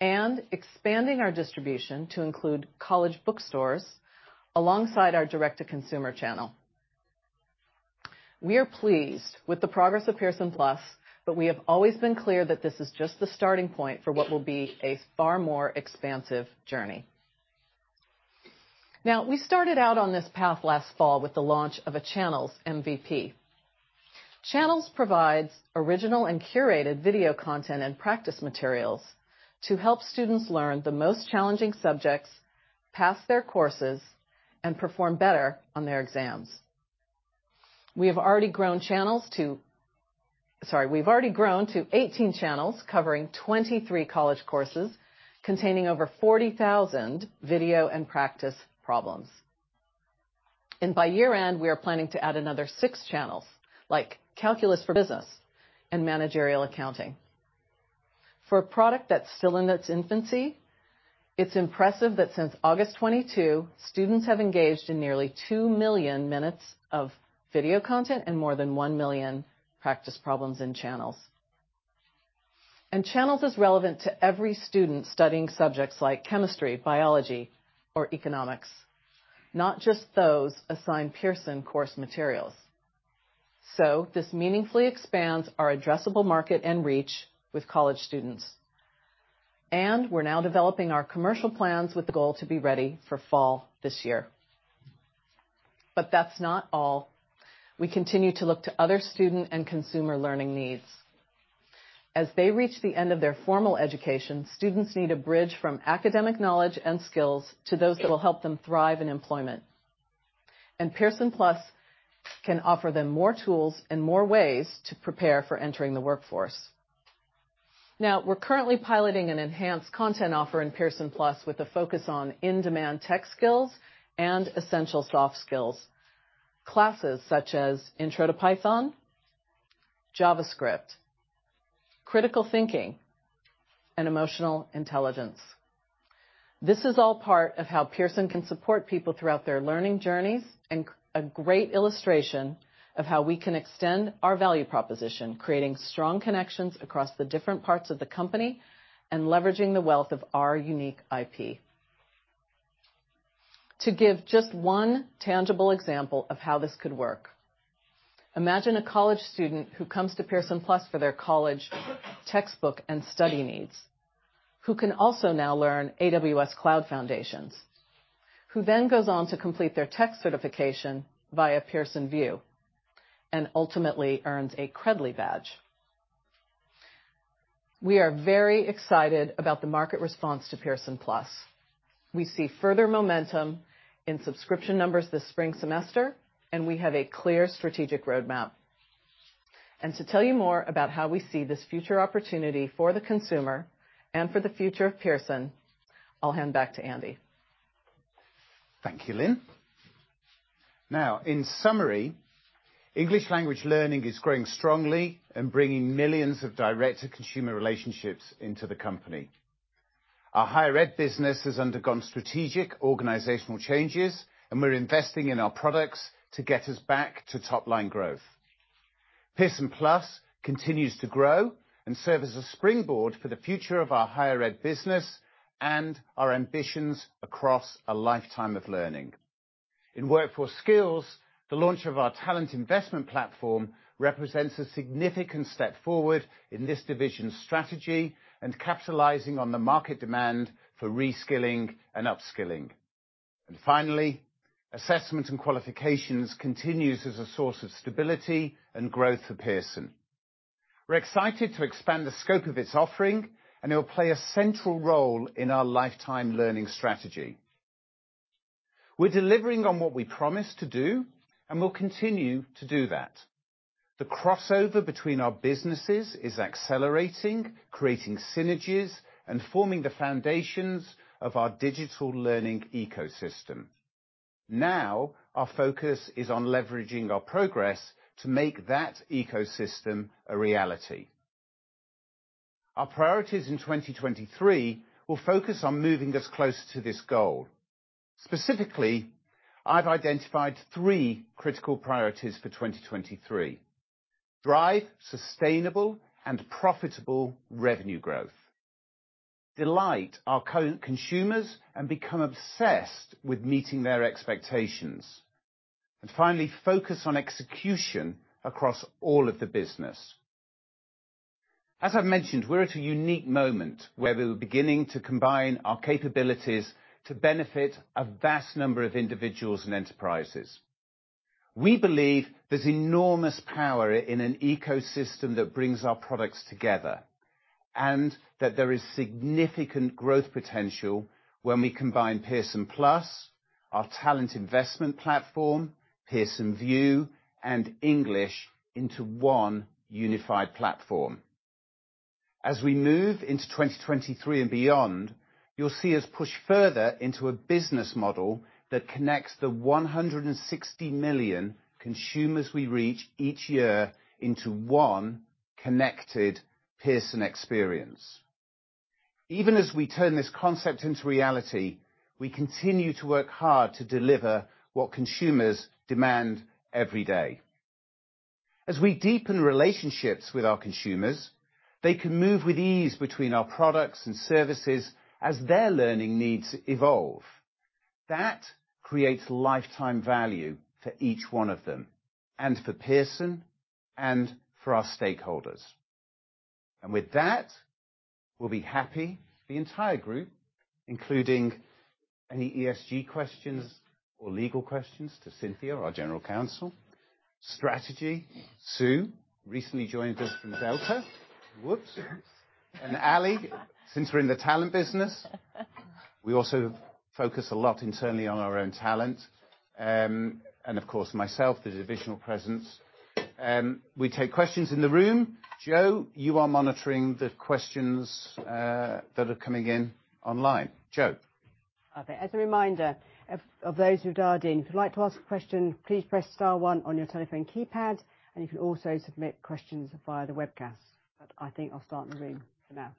and expanding our distribution to include college bookstores alongside our direct-to-consumer channel. We are pleased with the progress of Pearson+, we have always been clear that this is just the starting point for what will be a far more expansive journey. Now, we started out on this path last fall with the launch of a Channels MVP. Channels provides original and curated video content and practice materials to help students learn the most challenging subjects, pass their courses, and perform better on their exams. We've already grown to 18 channels covering 23 college courses, containing over 40,000 video and practice problems. By year-end, we are planning to add another six channels, like Calculus for Business and Managerial Accounting. For a product that's still in its infancy, it's impressive that since August 2022, students have engaged in nearly 2 million minutes of video content and more than 1 million practice problems in Channels. Channels is relevant to every student studying subjects like chemistry, biology, or economics, not just those assigned Pearson course materials. This meaningfully expands our addressable market and reach with college students. We're now developing our commercial plans with the goal to be ready for fall this year. That's not all. We continue to look to other student and consumer learning needs. As they reach the end of their formal education, students need a bridge from academic knowledge and skills to those that will help them thrive in employment. Pearson+ can offer them more tools and more ways to prepare for entering the workforce. We're currently piloting an enhanced content offer in Pearson+ with a focus on in-demand tech skills and essential soft skills. Classes such as Intro to Python, JavaScript, Critical Thinking, and Emotional Intelligence. This is all part of how Pearson can support people throughout their learning journeys, and a great illustration of how we can extend our value proposition, creating strong connections across the different parts of the company and leveraging the wealth of our unique IP. To give just one tangible example of how this could work, imagine a college student who comes to Pearson+ for their college textbook and study needs, who can also now learn AWS Cloud Foundations, who then goes on to complete their tech certification via Pearson VUE, and ultimately earns a Credly badge. We are very excited about the market response to Pearson+. We see further momentum in subscription numbers this spring semester, and we have a clear strategic roadmap. To tell you more about how we see this future opportunity for the consumer and for the future of Pearson, I'll hand back to Andy. Thank you, Lynne. In summary, English language learning is growing strongly and bringing millions of direct-to-consumer relationships into the company. Our higher ed business has undergone strategic organizational changes, and we're investing in our products to get us back to top-line growth. Pearson+ continues to grow and serve as a springboard for the future of our higher ed business and our ambitions across a lifetime of learning. In Workforce Skills, the launch of our talent investment platform represents a significant step forward in this division's strategy and capitalizing on the market demand for reskilling and upskilling. Finally, assessments and qualifications continues as a source of stability and growth for Pearson. We're excited to expand the scope of its offering, and it will play a central role in our lifetime learning strategy. We're delivering on what we promised to do, and we'll continue to do that. The crossover between our businesses is accelerating, creating synergies and forming the foundations of our digital learning ecosystem. Our focus is on leveraging our progress to make that ecosystem a reality. Our priorities in 2023 will focus on moving us closer to this goal. Specifically, I've identified three critical priorities for 2023: Drive sustainable and profitable revenue growth. Delight our co-consumers and become obsessed with meeting their expectations. Finally, focus on execution across all of the business. As I've mentioned, we're at a unique moment where we're beginning to combine our capabilities to benefit a vast number of individuals and enterprises. We believe there's enormous power in an ecosystem that brings our products together, and that there is significant growth potential when we combine Pearson+, our Talent Investment Platform, Pearson VUE, and English into one unified platform. As we move into 2023 and beyond, you'll see us push further into a business model that connects the 160 million consumers we reach each year into one connected Pearson experience. Even as we turn this concept into reality, we continue to work hard to deliver what consumers demand every day. As we deepen relationships with our consumers, they can move with ease between our products and services as their learning needs evolve. That creates lifetime value for each one of them, and for Pearson, and for our stakeholders. With that, we'll be happy, the entire group, including any ESG questions or legal questions to Cynthia, our General Counsel. Strategy, Sue, recently joined us from Delta. Whoops. Ali, since we're in the talent business. We also focus a lot internally on our own talent. Of course, myself, the divisional presence. We take questions in the room. Joe, you are monitoring the questions that are coming in online. Joe? Okay. As a reminder of those who've dialed in, if you'd like to ask a question, please press star 1 on your telephone keypad, and you can also submit questions via the webcast. I think I'll start in the room for now.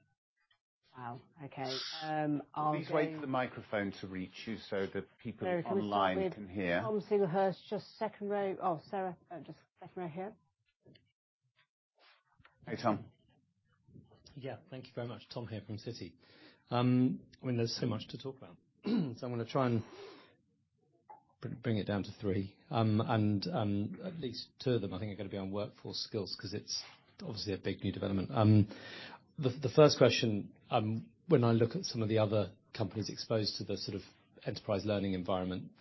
Wow, okay. Please wait for the microphone to reach you so that people online can hear. Very good. Tom Singlehurst, just second row. Oh, Sarah, just second row here. Hey, Tom. Thank you very much. Tom here from Citi. I mean, there's so much to talk about, so I'm gonna try and bring it down to three. At least two of them, I think, are gonna be on Workforce Skills 'cause it's obviously a big new development. The first question, when I look at some of the other companies exposed to the sort of enterprise learning environment,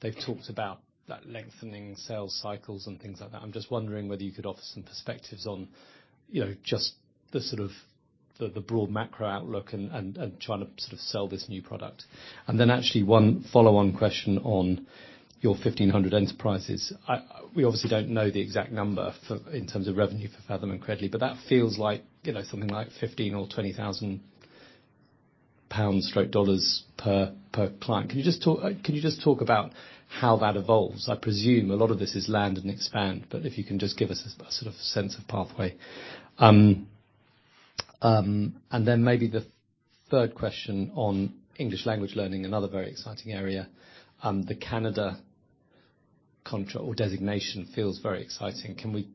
they've talked about that lengthening sales cycles and things like that. I'm just wondering whether you could offer some perspectives on, you know, just the sort of the broad macro outlook and trying to sort of sell this new product. Actually one follow-on question on your 1,500 enterprises. We obviously don't know the exact number in terms of revenue for Faethm and Credly, but that feels like, you know, something like 15,000 or 20,000 pounds/dollars per client. Can you just talk about how that evolves? I presume a lot of this is land and expand, but if you can just give us a sort of sense of pathway. Then maybe the third question on English Language Learning, another very exciting area. The Canada contract or designation feels very exciting. Can we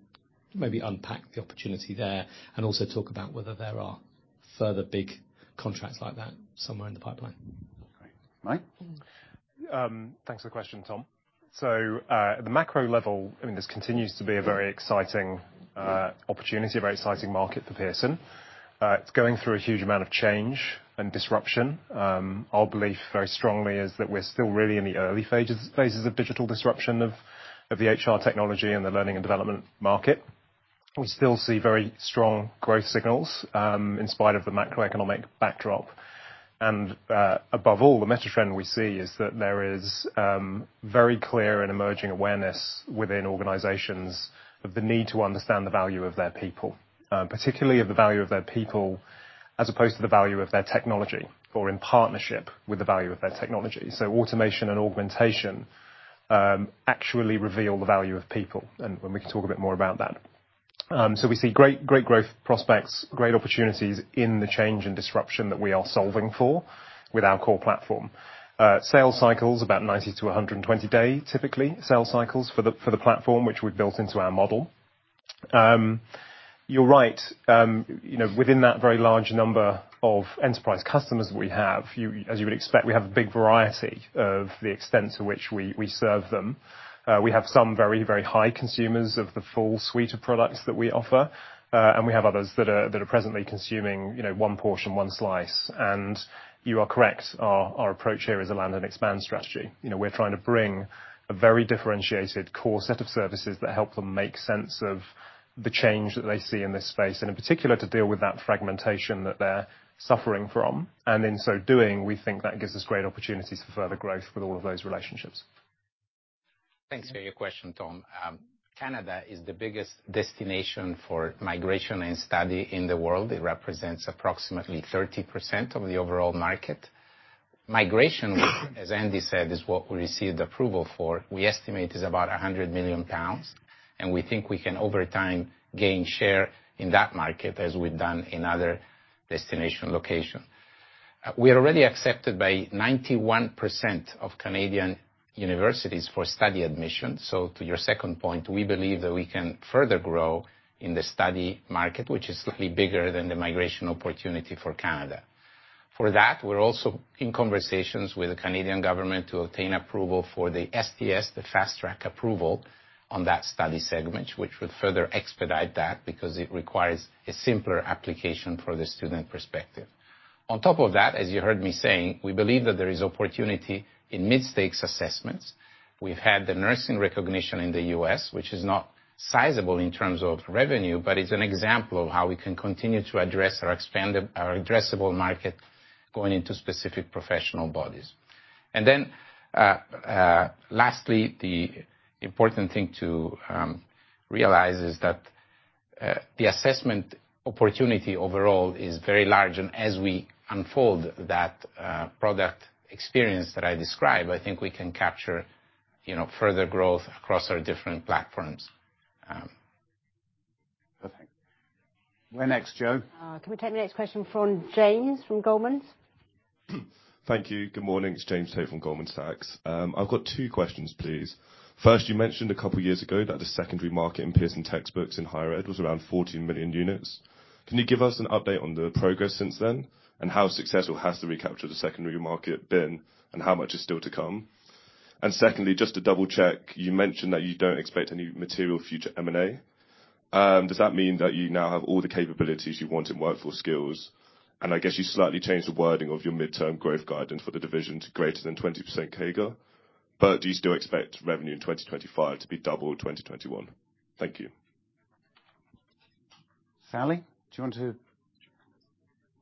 maybe unpack the opportunity there and also talk about whether there are further big contracts like that somewhere in the pipeline? Mike? Mm-hmm. Thanks for the question, Tom. At the macro level, I mean, this continues to be a very exciting opportunity, a very exciting market for Pearson. It's going through a huge amount of change and disruption. Our belief very strongly is that we're still really in the early phases of digital disruption of the HR technology and the learning and development market. We still see very strong growth signals in spite of the macroeconomic backdrop. Above all, the meta-trend we see is that there is very clear and emerging awareness within organizations of the need to understand the value of their people, particularly of the value of their people as opposed to the value of their technology or in partnership with the value of their technology. Automation and augmentation actually reveal the value of people, and we can talk a bit more about that. We see great growth prospects, great opportunities in the change and disruption that we are solving for with our core platform. Sales cycles about 90 to 120 days, typically. Sales cycles for the platform which we've built into our model. You're right, you know, within that very large number of enterprise customers we have, as you would expect, we have a big variety of the extent to which we serve them. We have some very high consumers of the full suite of products that we offer, and we have others that are presently consuming, you know, one portion, one slice. You are correct, our approach here is a land and expand strategy. You know, we're trying to bring a very differentiated core set of services that help them make sense of the change that they see in this space, and in particular, to deal with that fragmentation that they're suffering from. In so doing, we think that gives us great opportunities for further growth with all of those relationships. Thanks for your question, Tom. Canada is the biggest destination for migration and study in the world. It represents approximately 30% of the overall market. Migration, as Andy said, is what we received approval for. We estimate is about 100 million pounds, and we think we can, over time, gain share in that market as we've done in other destination location. We are already accepted by 91% of Canadian universities for study admission. To your second point, we believe that we can further grow in the study market, which is slightly bigger than the migration opportunity for Canada. For that, we're also in conversations with the Canadian government to obtain approval for the SDS, the fast-track approval on that study segment, which would further expedite that because it requires a simpler application for the student perspective. On top of that, as you heard me saying, we believe that there is opportunity in mid-stakes assessments. We've had the nursing recognition in the US, which is not sizable in terms of revenue, but it's an example of how we can continue to address our addressable market going into specific professional bodies. Lastly, the important thing to realize is that the assessment opportunity overall is very large, and as we unfold that product experience that I described, I think we can capture, you know, further growth across our different platforms. Perfect. We're next, Joe. Can we take the next question from James from Goldman Sachs? Thank you. Good morning. It's James Tate from Goldman Sachs. I've got two questions, please. First, you mentioned a couple of years ago that the secondary market in Pearson textbooks in higher ed was around 40 million units. Can you give us an update on the progress since then, and how successful has the recapture of the secondary market been, and how much is still to come? Secondly, just to double-check, you mentioned that you don't expect any material future M&A. Does that mean that you now have all the capabilities you want in Workforce Skills? I guess you slightly changed the wording of your midterm growth guidance for the division to greater than 20% CAGR. Do you still expect revenue in 2025 to be double in 2021? Thank you. Sally, do you want to?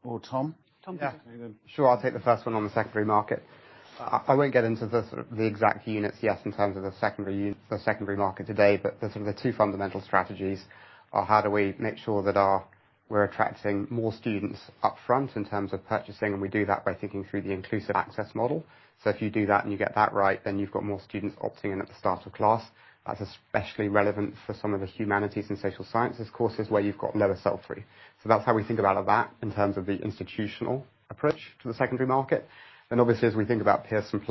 Or Tom? Tom can take it. Yeah. Sure, I'll take the first one on the secondary market. I won't get into the sort of the exact units, yes, in terms of the secondary market today, but the sort of the two fundamental strategies are how do we make sure that our we're attracting more students up front in terms of purchasing? We do that by thinking through the Inclusive Access model. If you do that and you get that right, you've got more students opting in at the start of class. That's especially relevant for some of the humanities and social sciences courses where you've got lower sell through. That's how we think about that in terms of the institutional approach to the secondary market. Obviously, as we think about Pearson+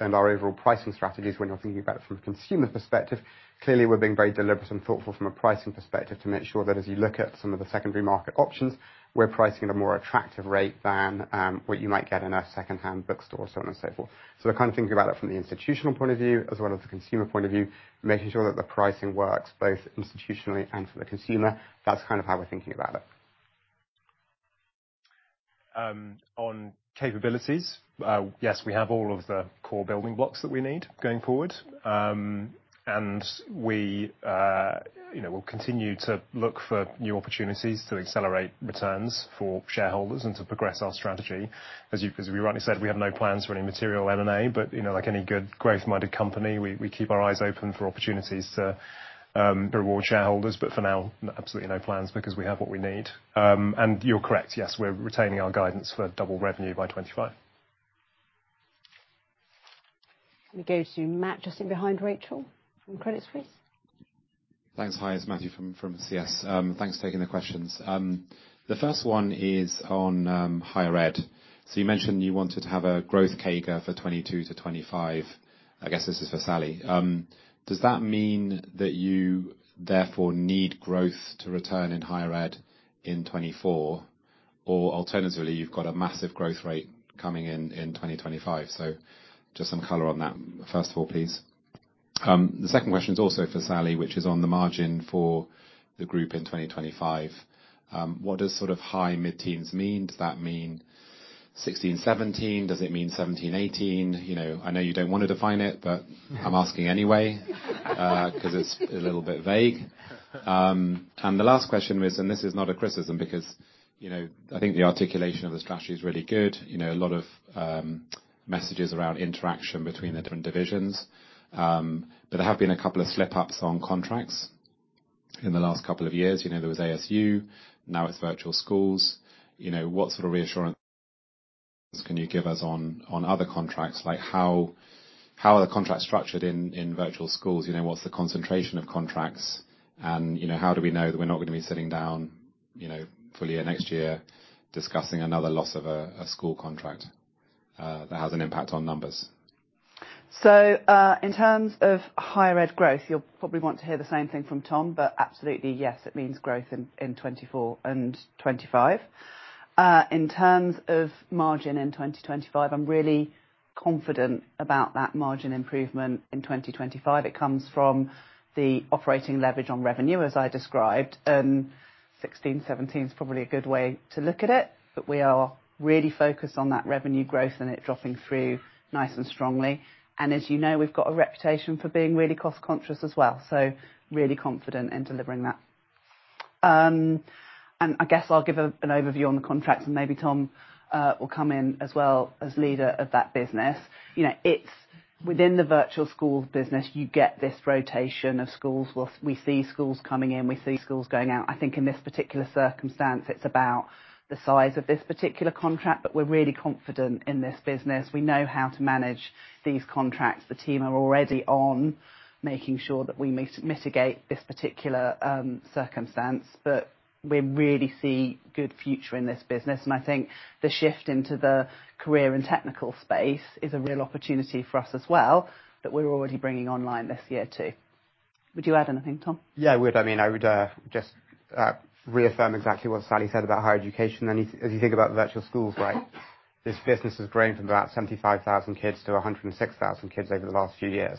and our overall pricing strategies when you're thinking about it from a consumer perspective, clearly we're being very deliberate and thoughtful from a pricing perspective to make sure that as you look at some of the secondary market options, we're pricing at a more attractive rate than what you might get in a secondhand bookstore, so on and so forth. We're kind of thinking about it from the institutional point of view as well as the consumer point of view, making sure that the pricing works both institutionally and for the consumer. That's kind of how we're thinking about it. On capabilities, yes, we have all of the core building blocks that we need going forward. We, you know, will continue to look for new opportunities to accelerate returns for shareholders and to progress our strategy. As we rightly said, we have no plans for any material M&A, but, you know, like any good growth-minded company, we keep our eyes open for opportunities to reward shareholders. For now, absolutely no plans because we have what we need. You're correct, yes, we're retaining our guidance for double revenue by 25. Let me go to Matt, just sitting behind Rachel from Credit Suisse. Thanks. Hi, it's Matthew from CS. Thanks for taking the questions. The first one is on higher ed. You mentioned you wanted to have a growth CAGR for 2022 to 2025. I guess this is for Sally. Does that mean that you therefore need growth to return in higher ed in 2024? Alternatively, you've got a massive growth rate coming in in 2025. Just some color on that, first of all, please. The second question is also for Sally, which is on the margin for the group in 2025. What does sort of high mid-teens mean? Does that mean 16%, 17%? Does it mean 17%, 18%? You know, I know you don't wanna define it, but I'm asking anyway. 'Cause it's a little bit vague. The last question was, and this is not a criticism because, you know, I think the articulation of the strategy is really good. You know, a lot of messages around interaction between the different divisions. There have been a couple of slipups on contracts in the last couple of years. You know, there was ASU, now it's virtual schools. You know, what sort of reassurance can you give us on other contracts? Like how are the contracts structured in virtual schools? You know, what's the concentration of contracts? You know, how do we know that we're not gonna be sitting down, you know, fully next year discussing another loss of a school contract, that has an impact on numbers? In terms of higher ed growth, you'll probably want to hear the same thing from Tom, but absolutely, yes, it means growth in 2024 and 2025. In terms of margin in 2025, I'm really confident about that margin improvement in 2025. It comes from the operating leverage on revenue, as I described. 16 17 is probably a good way to look at it, but we are really focused on that revenue growth and it dropping through nice and strongly. As you know, we've got a reputation for being really cost-conscious as well. Really confident in delivering that. I guess I'll give an overview on the contracts and maybe Tom will come in as well as leader of that business. You know, it's within the virtual schools business, you get this rotation of schools. We see schools coming in, we see schools going out. I think in this particular circumstance, it's about the size of this particular contract. We're really confident in this business. We know how to manage these contracts. The team are already on making sure that we mitigate this particular circumstance, but we really see good future in this business. I think the shift into the career and technical space is a real opportunity for us as well, that we're already bringing online this year too. Would you add anything, Tom? Yeah, I would. I mean, I would just reaffirm exactly what Sally said about higher education. As you think about virtual schools, right? This business has grown from about 75,000 kids to 106,000 kids over the last few years.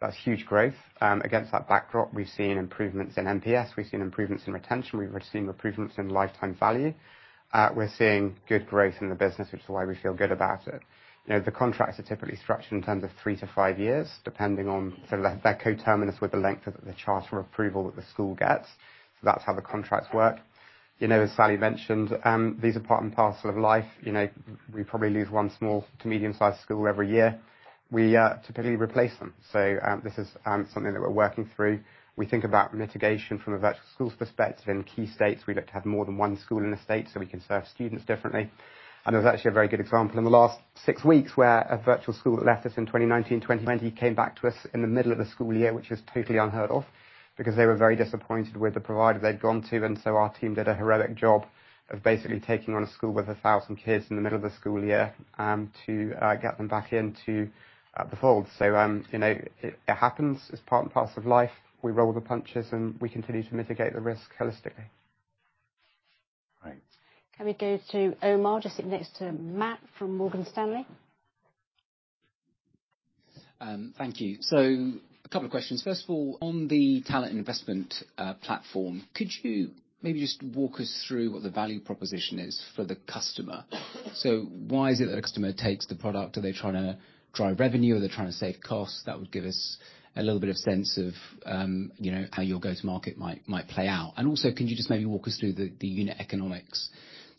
That's huge growth. Against that backdrop, we've seen improvements in NPS, we've seen improvements in retention, we've seen improvements in lifetime value. We're seeing good growth in the business, which is why we feel good about it. You know, the contracts are typically structured in terms of three to five years, depending on sort of they're coterminous with the length of the charter approval that the school gets. That's how the contracts work. You know, as Sally mentioned, these are part and parcel of life. You know, we probably lose one small to medium-sized school every year. We typically replace them. This is something that we're working through. We think about mitigation from a virtual schools perspective. In key states, we look to have more than one school in a state, so we can serve students differently. There was actually a very good example in the last six weeks where a virtual school that left us in 2019, 2020 came back to us in the middle of the school year, which is totally unheard of because they were very disappointed with the provider they'd gone to. Our team did a heroic job of basically taking on a school with 1,000 kids in the middle of the school year, to get them back into the fold. You know, it happens. It's part and parcel of life. We roll with the punches, and we continue to mitigate the risk holistically. Great. Can we go to Omar, just sitting next to Matt from Morgan Stanley? Thank you. A couple of questions. First of all, on the talent investment platform, could you maybe just walk us through what the value proposition is for the customer? Why is it that a customer takes the product? Are they trying to drive revenue? Are they trying to save costs? That would give us a little bit of sense of, you know, how your go-to-market might play out. Also, could you just maybe walk us through the unit economics?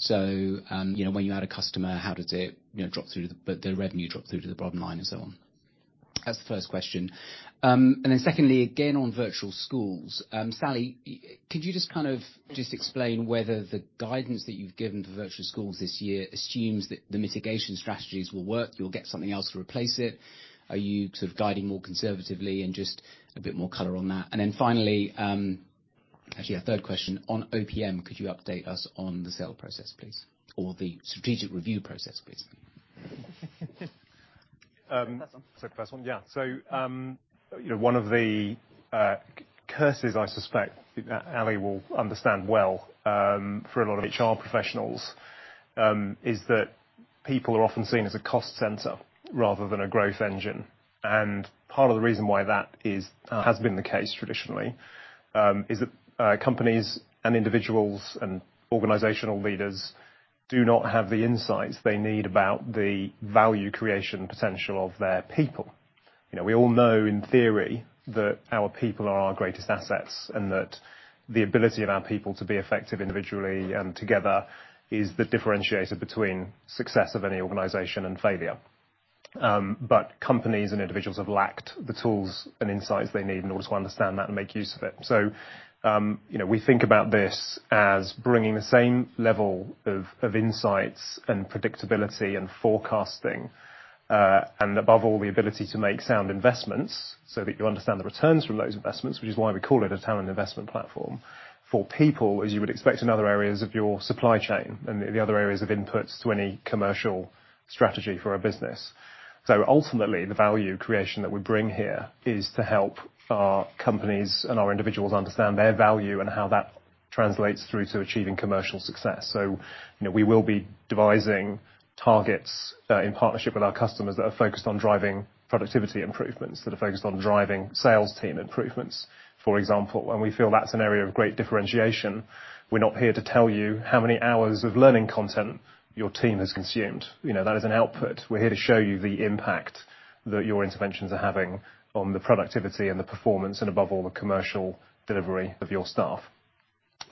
You know, when you add a customer, how does it, you know, drop through the revenue drop through to the bottom line and so on? That's the first question. Secondly, again, on virtual schools, Sally, could you just kind of just explain whether the guidance that you've given for virtual schools this year assumes that the mitigation strategies will work, you'll get something else to replace it? Are you sort of guiding more conservatively and just a bit more color on that? Finally, a third question on OPM, could you update us on the sale process, please, or the strategic review process, please? Um. First one. First one. Yeah. You know, one of the curses I suspect Ali will understand well, for a lot of HR professionals, is that people are often seen as a cost center rather than a growth engine. Part of the reason why that is, has been the case traditionally, is that companies and individuals and organizational leaders do not have the insights they need about the value creation potential of their people. We all know in theory that our people are our greatest assets, and that the ability of our people to be effective individually and together is the differentiator between success of any organization and failure. But companies and individuals have lacked the tools and insights they need in order to understand that and make use of it. You know, we think about this as bringing the same level of insights and predictability and forecasting, and above all, the ability to make sound investments so that you understand the returns from those investments, which is why we call it a Talent Investment Platform. For people, as you would expect in other areas of your supply chain and the other areas of inputs to any commercial strategy for a business. Ultimately, the value creation that we bring here is to help our companies and our individuals understand their value and how that translates through to achieving commercial success. You know, we will be devising targets, in partnership with our customers that are focused on driving productivity improvements, that are focused on driving sales team improvements. For example, when we feel that's an area of great differentiation, we're not here to tell you how many hours of learning content your team has consumed. You know, that is an output. We're here to show you the impact that your interventions are having on the productivity and the performance and above all, the commercial delivery of your staff.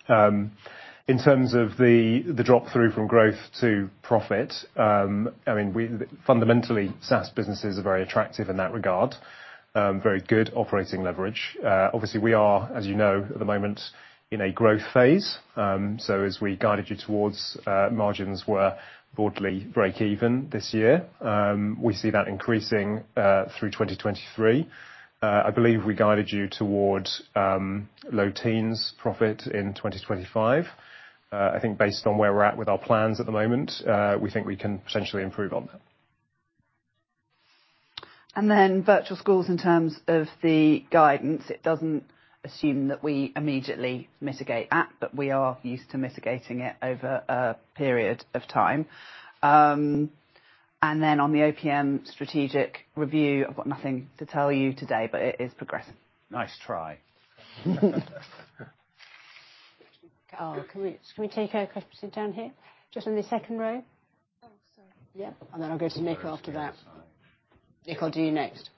In terms of the drop-through from growth to profit, I mean, fundamentally, SaaS businesses are very attractive in that regard. Very good operating leverage. Obviously, we are, as you know, at the moment, in a growth phase. So as we guided you towards, margins were broadly break even this year. We see that increasing through 2023. I believe we guided you towards low teens profit in 2025. I think based on where we're at with our plans at the moment, we think we can potentially improve on that. Virtual schools, in terms of the guidance, it doesn't assume that we immediately mitigate AT, but we are used to mitigating it over a period of time. On the OPM strategic review, I've got nothing to tell you today, but it is progressing. Nice try. Oh, can we take a question down here? Just in the second row. Oh, sorry. Yeah. Then I'll go to Nick after that. Nick, I'll do you next.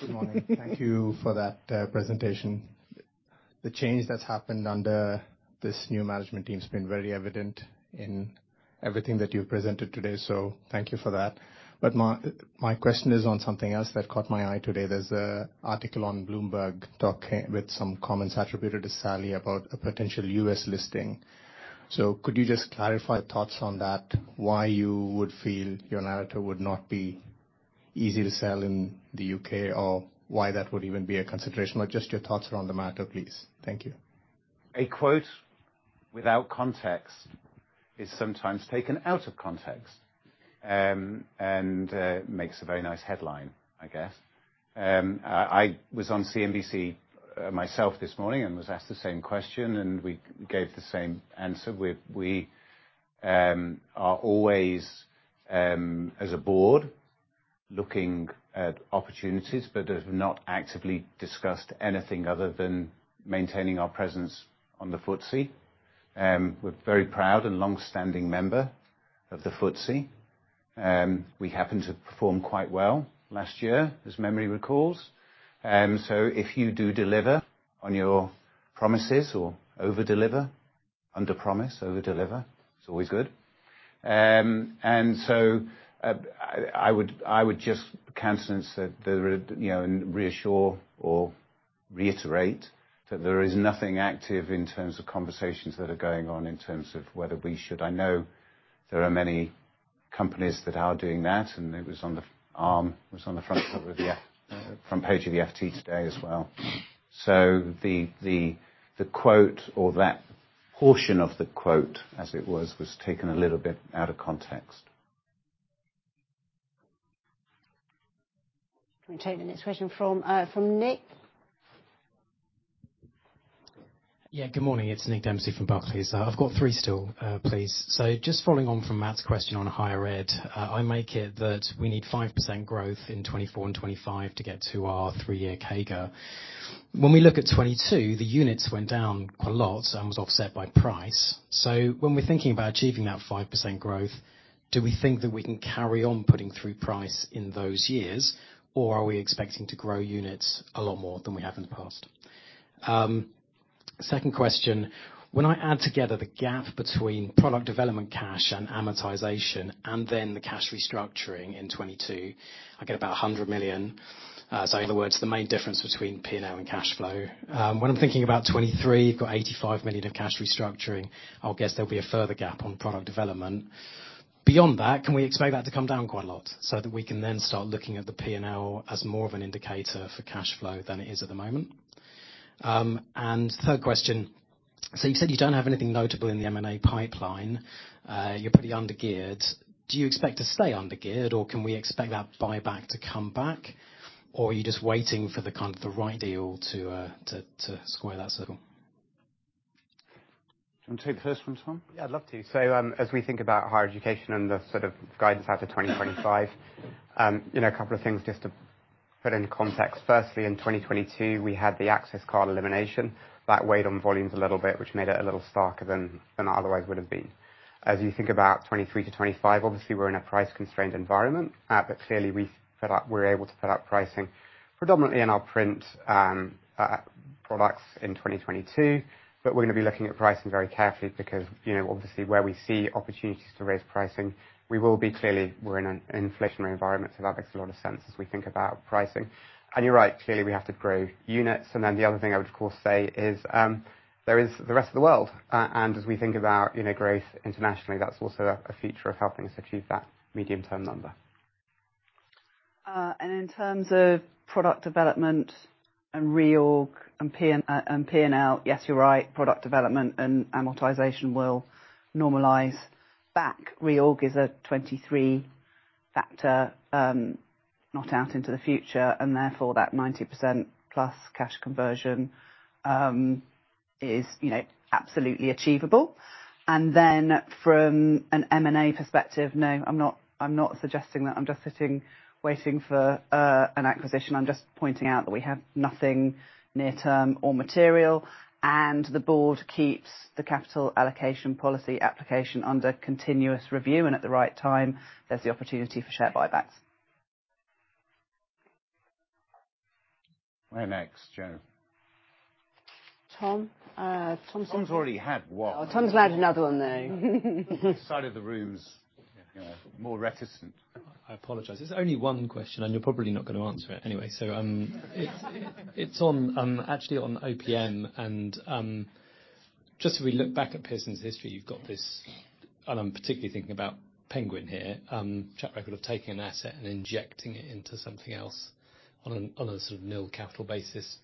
Good morning. Thank you for that presentation. The change that's happened under this new management team has been very evident in everything that you've presented today, so thank you for that. My question is on something else that caught my eye today. There's an article on Bloomberg with some comments attributed to Sally about a potential US listing. Could you just clarify your thoughts on that, why you would feel your narrative would not be easy to sell in the UK, or why that would even be a consideration, or just your thoughts around the matter, please. Thank you. A quote without context is sometimes taken out of context, and makes a very nice headline, I guess. I was on CNBC myself this morning and was asked the same question, and we gave the same answer. We are always, as a board, looking at opportunities but have not actively discussed anything other than maintaining our presence on the FTSE. We're a very proud and long-standing member of the FTSE. We happened to perform quite well last year, as memory recalls. If you do deliver on your promises or over-deliver, underpromise, over-deliver, it's always good. I would just countenance that there, you know, and reassure or reiterate that there is nothing active in terms of conversations that are going on in terms of whether we should. I know there are many companies that are doing that, it was on the front cover of the front page of the FT Today as well. The quote or that portion of the quote as it was taken a little bit out of context. Can we take the next question from Nick? Yeah. Good morning. It's Nick Dempsey from Barclays. I've got three still, please. Just following on from Matt's question on higher ed. I make it that we need 5% growth in 2024 and 2025 to get to our 3-year CAGR. When we look at 2022, the units went down a lot and was offset by price. When we're thinking about achieving that 5% growth, do we think that we can carry on putting through price in those years? Or are we expecting to grow units a lot more than we have in the past? Second question. When I add together the gap between product development cash and amortization and then the cash restructuring in 2022, I get about 100 million. In other words, the main difference between P&L and cash flow. When I'm thinking about '23, you've got 85 million of cash restructuring. I'll guess there'll be a further gap on product development. Beyond that, can we expect that to come down quite a lot so that we can then start looking at the P&L as more of an indicator for cash flow than it is at the moment? Third question. You said you don't have anything notable in the M&A pipeline. You're pretty under-geared. Do you expect to stay under-geared, or can we expect that buyback to come back? Are you just waiting for the kind of the right deal to square that circle? Do you wanna take the first one, Tom? Yeah, I'd love to. As we think about higher education and the sort of guidance out to 2025, you know, a couple of things just to put in context. Firstly, in 2022, we had the access card elimination. That weighed on volumes a little bit, which made it a little starker than it otherwise would have been. As you think about 2023 to 2025, obviously, we're in a price-constrained environment, but clearly we feel like we're able to put out pricing predominantly in our print products in 2022, but we're gonna be looking at pricing very carefully because, you know, obviously where we see opportunities to raise pricing, we will be. Clearly, we're in an inflationary environment, so that makes a lot of sense as we think about pricing. You're right, clearly we have to grow units. The other thing I would of course say is, there is the rest of the world. As we think about, you know, growth internationally, that's also a feature of helping us achieve that medium-term number. In terms of product development and reorg and P&L, yes, you're right, product development and amortization will normalize back. Reorg is a '23 factor, not out into the future, and therefore that 90% plus cash conversion, you know, is absolutely achievable. From an M&A perspective, no, I'm not, I'm not suggesting that I'm just sitting, waiting for an acquisition. I'm just pointing out that we have nothing near term or material, and the board keeps the capital allocation policy application under continuous review, and at the right time, there's the opportunity for share buybacks. Where next, Joe? Tom. Tom's already had one. Oh, Tom's allowed another one, though. This side of the room's, you know, more reticent. I apologize. There's only one question, and you're probably not gonna answer it anyway. It's on, actually on OPM. Just as we look back at Pearson's history, you've got this, and I'm particularly thinking about Penguin here, track record of taking an asset and injecting it into something else on a sort of nil capital basis,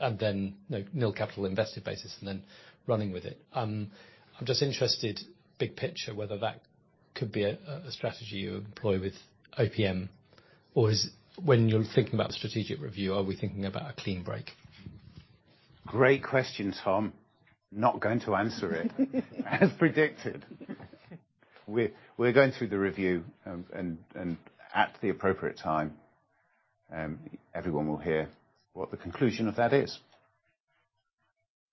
no nil capital invested basis and then running with it. I'm just interested, big picture, whether that could be a strategy you employ with OPM, or is when you're thinking about strategic review, are we thinking about a clean break? Great question, Tom. Not going to answer it. As predicted. We're going through the review and at the appropriate time, everyone will hear what the conclusion of that is.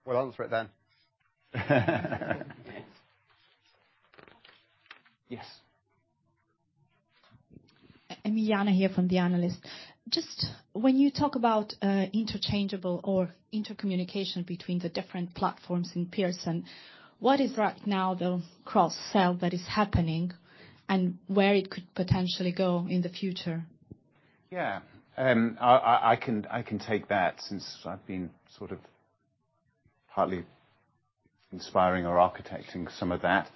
Well, answer it then. Ami here from The Analyst. Just when you talk about interchangeable or intercommunication between the different platforms in Pearson, what is right now the cross-sell that is happening and where it could potentially go in the future? Yeah. I can take that since I've been sort of partly inspiring or architecting some of that.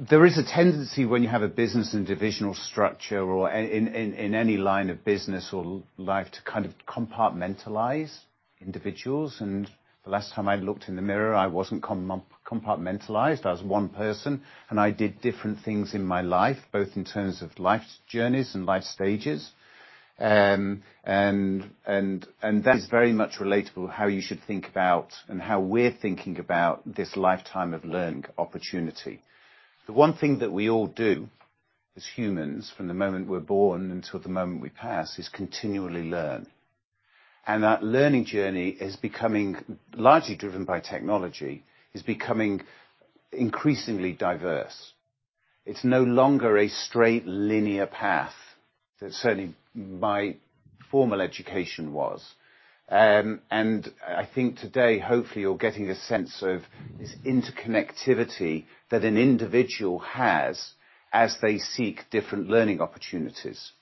There is a tendency when you have a business and divisional structure or in any line of business or life to kind of compartmentalize individuals. The last time I looked in the mirror, I wasn't compartmentalized. I was one person, and I did different things in my life, both in terms of life's journeys and life stages. That is very much relatable how you should think about and how we're thinking about this lifetime of learning opportunity. The one thing that we all do as humans from the moment we're born until the moment we pass is continually learn. That learning journey is becoming largely driven by technology. It's becoming increasingly diverse. It's no longer a straight linear path. That certainly my formal education was. I think today, hopefully, you're getting a sense of this interconnectivity that an individual has as they seek different learning opportunities.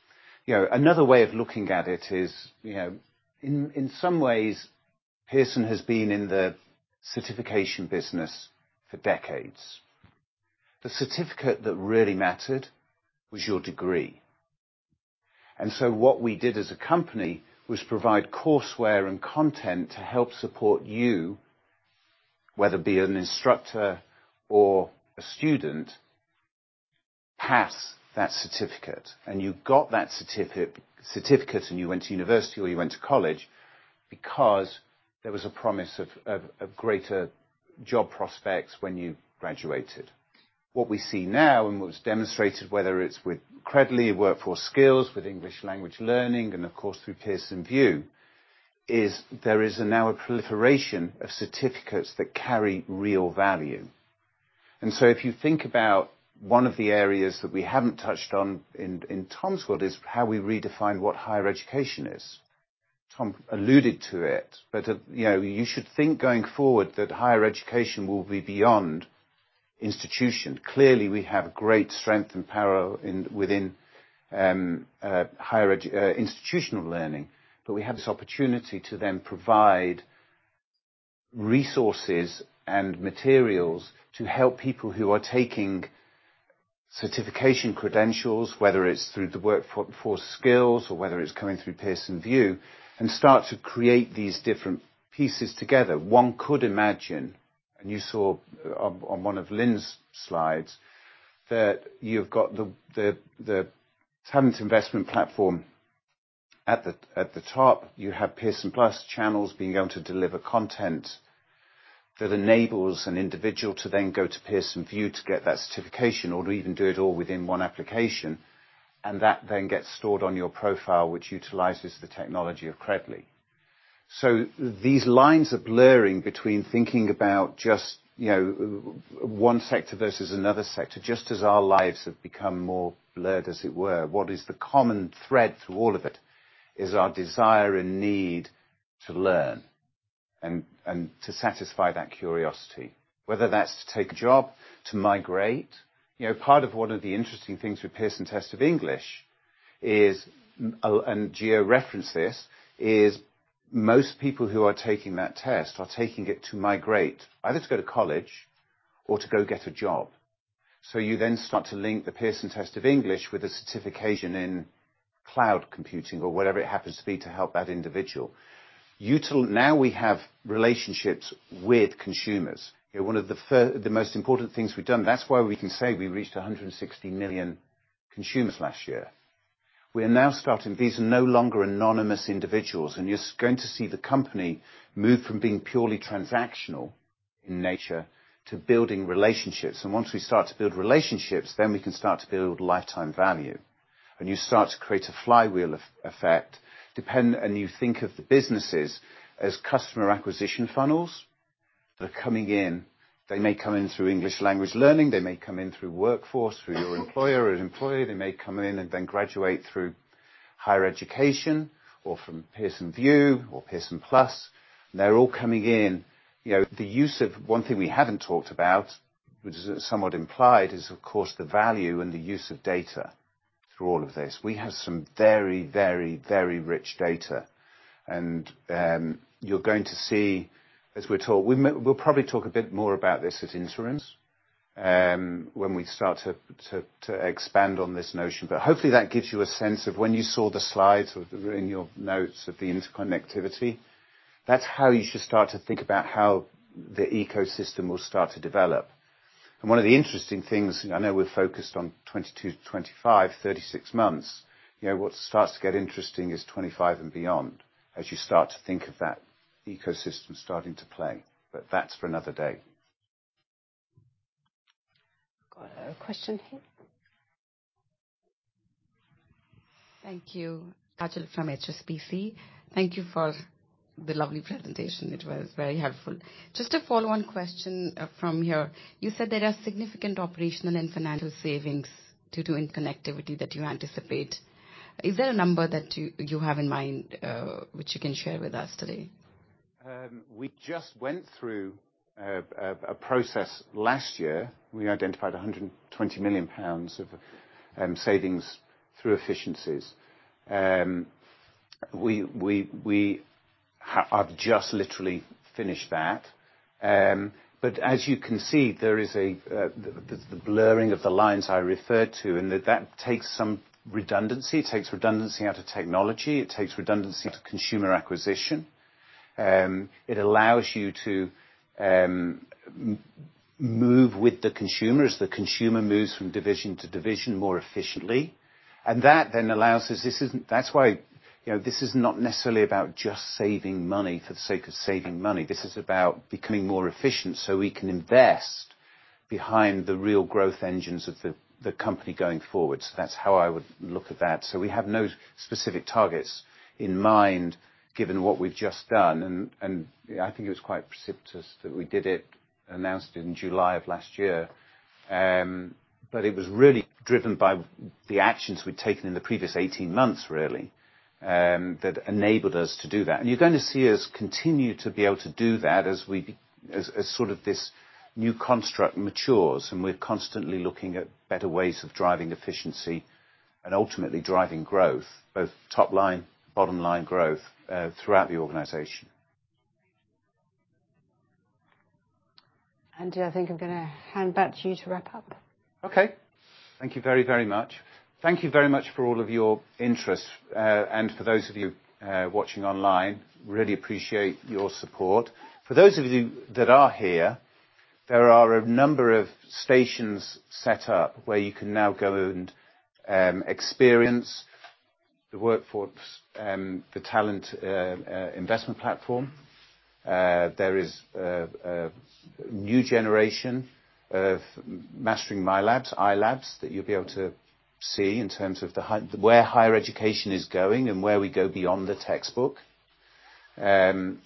You know, another way of looking at it is, you know, in some ways, Pearson has been in the certification business for decades. The certificate that really mattered was your degree. So what we did as a company was provide courseware and content to help support you, whether it be an instructor or a student pass that certificate. You got that certificate, and you went to university or you went to college because there was a promise of greater job prospects when you graduated. What we see now and what's demonstrated, whether it's with Credly, Workforce Skills, with English Language Learning, and of course, through Pearson VUE, is there is now a proliferation of certificates that carry real value. If you think about one of the areas that we haven't touched on in Tom's world is how we redefine what higher education is. Tom alluded to it, you know, you should think going forward that higher education will be beyond institution. Clearly, we have great strength and power in, within, institutional learning. We have this opportunity to then provide resources and materials to help people who are taking certification credentials, whether it's through the Workforce Skills or whether it's coming through Pearson VUE, and start to create these different pieces together. One could imagine, you saw on one of Lynne's slides that you've got the Talent Investment platform at the top. You have Pearson+ Channels being able to deliver content that enables an individual to then go to Pearson VUE to get that certification or to even do it all within one application. That then gets stored on your profile, which utilizes the technology of Credly. These lines are blurring between thinking about just, you know, one sector versus another sector, just as our lives have become more blurred as it were. What is the common thread through all of it is our desire and need to learn and to satisfy that curiosity, whether that's to take a job, to migrate. You know, part of one of the interesting things with Pearson Test of English is, and geo-reference this, most people who are taking that test are taking it to migrate either to go to college or to go get a job. You then start to link the Pearson Test of English with a certification in cloud computing or whatever it happens to be to help that individual. We have relationships with consumers. One of the most important things we've done. That's why we can say we reached 160 million consumers last year. We are now starting. These are no longer anonymous individuals, you're going to see the company move from being purely transactional in nature to building relationships. Once we start to build relationships, we can start to build lifetime value. You start to create a flywheel effect. You think of the businesses as customer acquisition funnels. They're coming in. They may come in through English language learning. They may come in through Workforce, through your employer or an employer. They may come in and then graduate through higher education or from Pearson VUE or Pearson+. They're all coming in. You know, the use of... One thing we haven't talked about, which is somewhat implied, is of course the value and the use of data through all of this. We have some very, very, very rich data. You're going to see as we talk... We'll probably talk a bit more about this at Insurance when we start to expand on this notion. Hopefully that gives you a sense of when you saw the slides or in your notes of the interconnectivity, that's how you should start to think about how the ecosystem will start to develop. One of the interesting things, I know we're focused on 2022 to 2025, 36 months. You know, what starts to get interesting is 2025 and beyond as you start to think of that ecosystem starting to play. That's for another day. Got a question here. Thank you. Aditya from HSBC. Thank you for the lovely presentation. It was very helpful. Just a follow-on question from here. You said there are significant operational and financial savings due to interconnectivity that you anticipate. Is there a number that you have in mind which you can share with us today? We just went through a process last year. We identified 120 million pounds of savings through efficiencies. We have just literally finished that. As you can see, there is a the blurring of the lines I referred to, and that takes some redundancy. It takes redundancy out of technology. It takes redundancy to consumer acquisition. It allows you to move with the consumer as the consumer moves from division to division more efficiently. That then allows us. That's why, you know, this is not necessarily about just saving money for the sake of saving money. This is about becoming more efficient so we can invest behind the real growth engines of the company going forward. That's how I would look at that. We have no specific targets in mind given what we've just done. I think it was quite precipitous that we did it, announced it in July of last year. It was really driven by the actions we'd taken in the previous 18 months, really, that enabled us to do that. You're going to see us continue to be able to do that as sort of this new construct matures, and we're constantly looking at better ways of driving efficiency and ultimately driving growth, both top line, bottom line growth throughout the organization. Andy, I think I'm gonna hand back to you to wrap up. Okay. Thank you very, very much. Thank you very much for all of your interest. For those of you watching online, really appreciate your support. For those of you that are here, there are a number of stations set up where you can now go and experience the Workforce, the Talent Investment platform. There is a new generation of Mastering, MyLab, iLabs, that you'll be able to see in terms of where higher education is going and where we go beyond the textbook. Then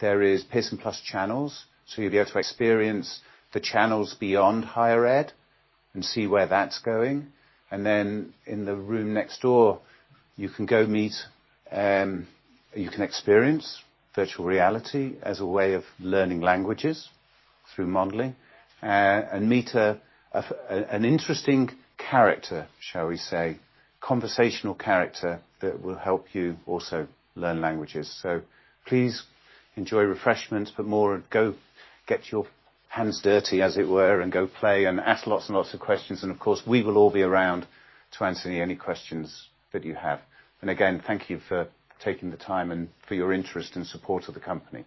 there is Pearson+ channels. You'll be able to experience the channels beyond higher ed and see where that's going. In the room next door, you can go meet, you can experience virtual reality as a way of learning languages through Mondly, and meet an interesting character, shall we say, conversational character that will help you also learn languages. Please enjoy refreshments, but more go get your hands dirty, as it were, and go play and ask lots and lots of questions. Of course, we will all be around to answer any questions that you have. Again, thank you for taking the time and for your interest and support of the company.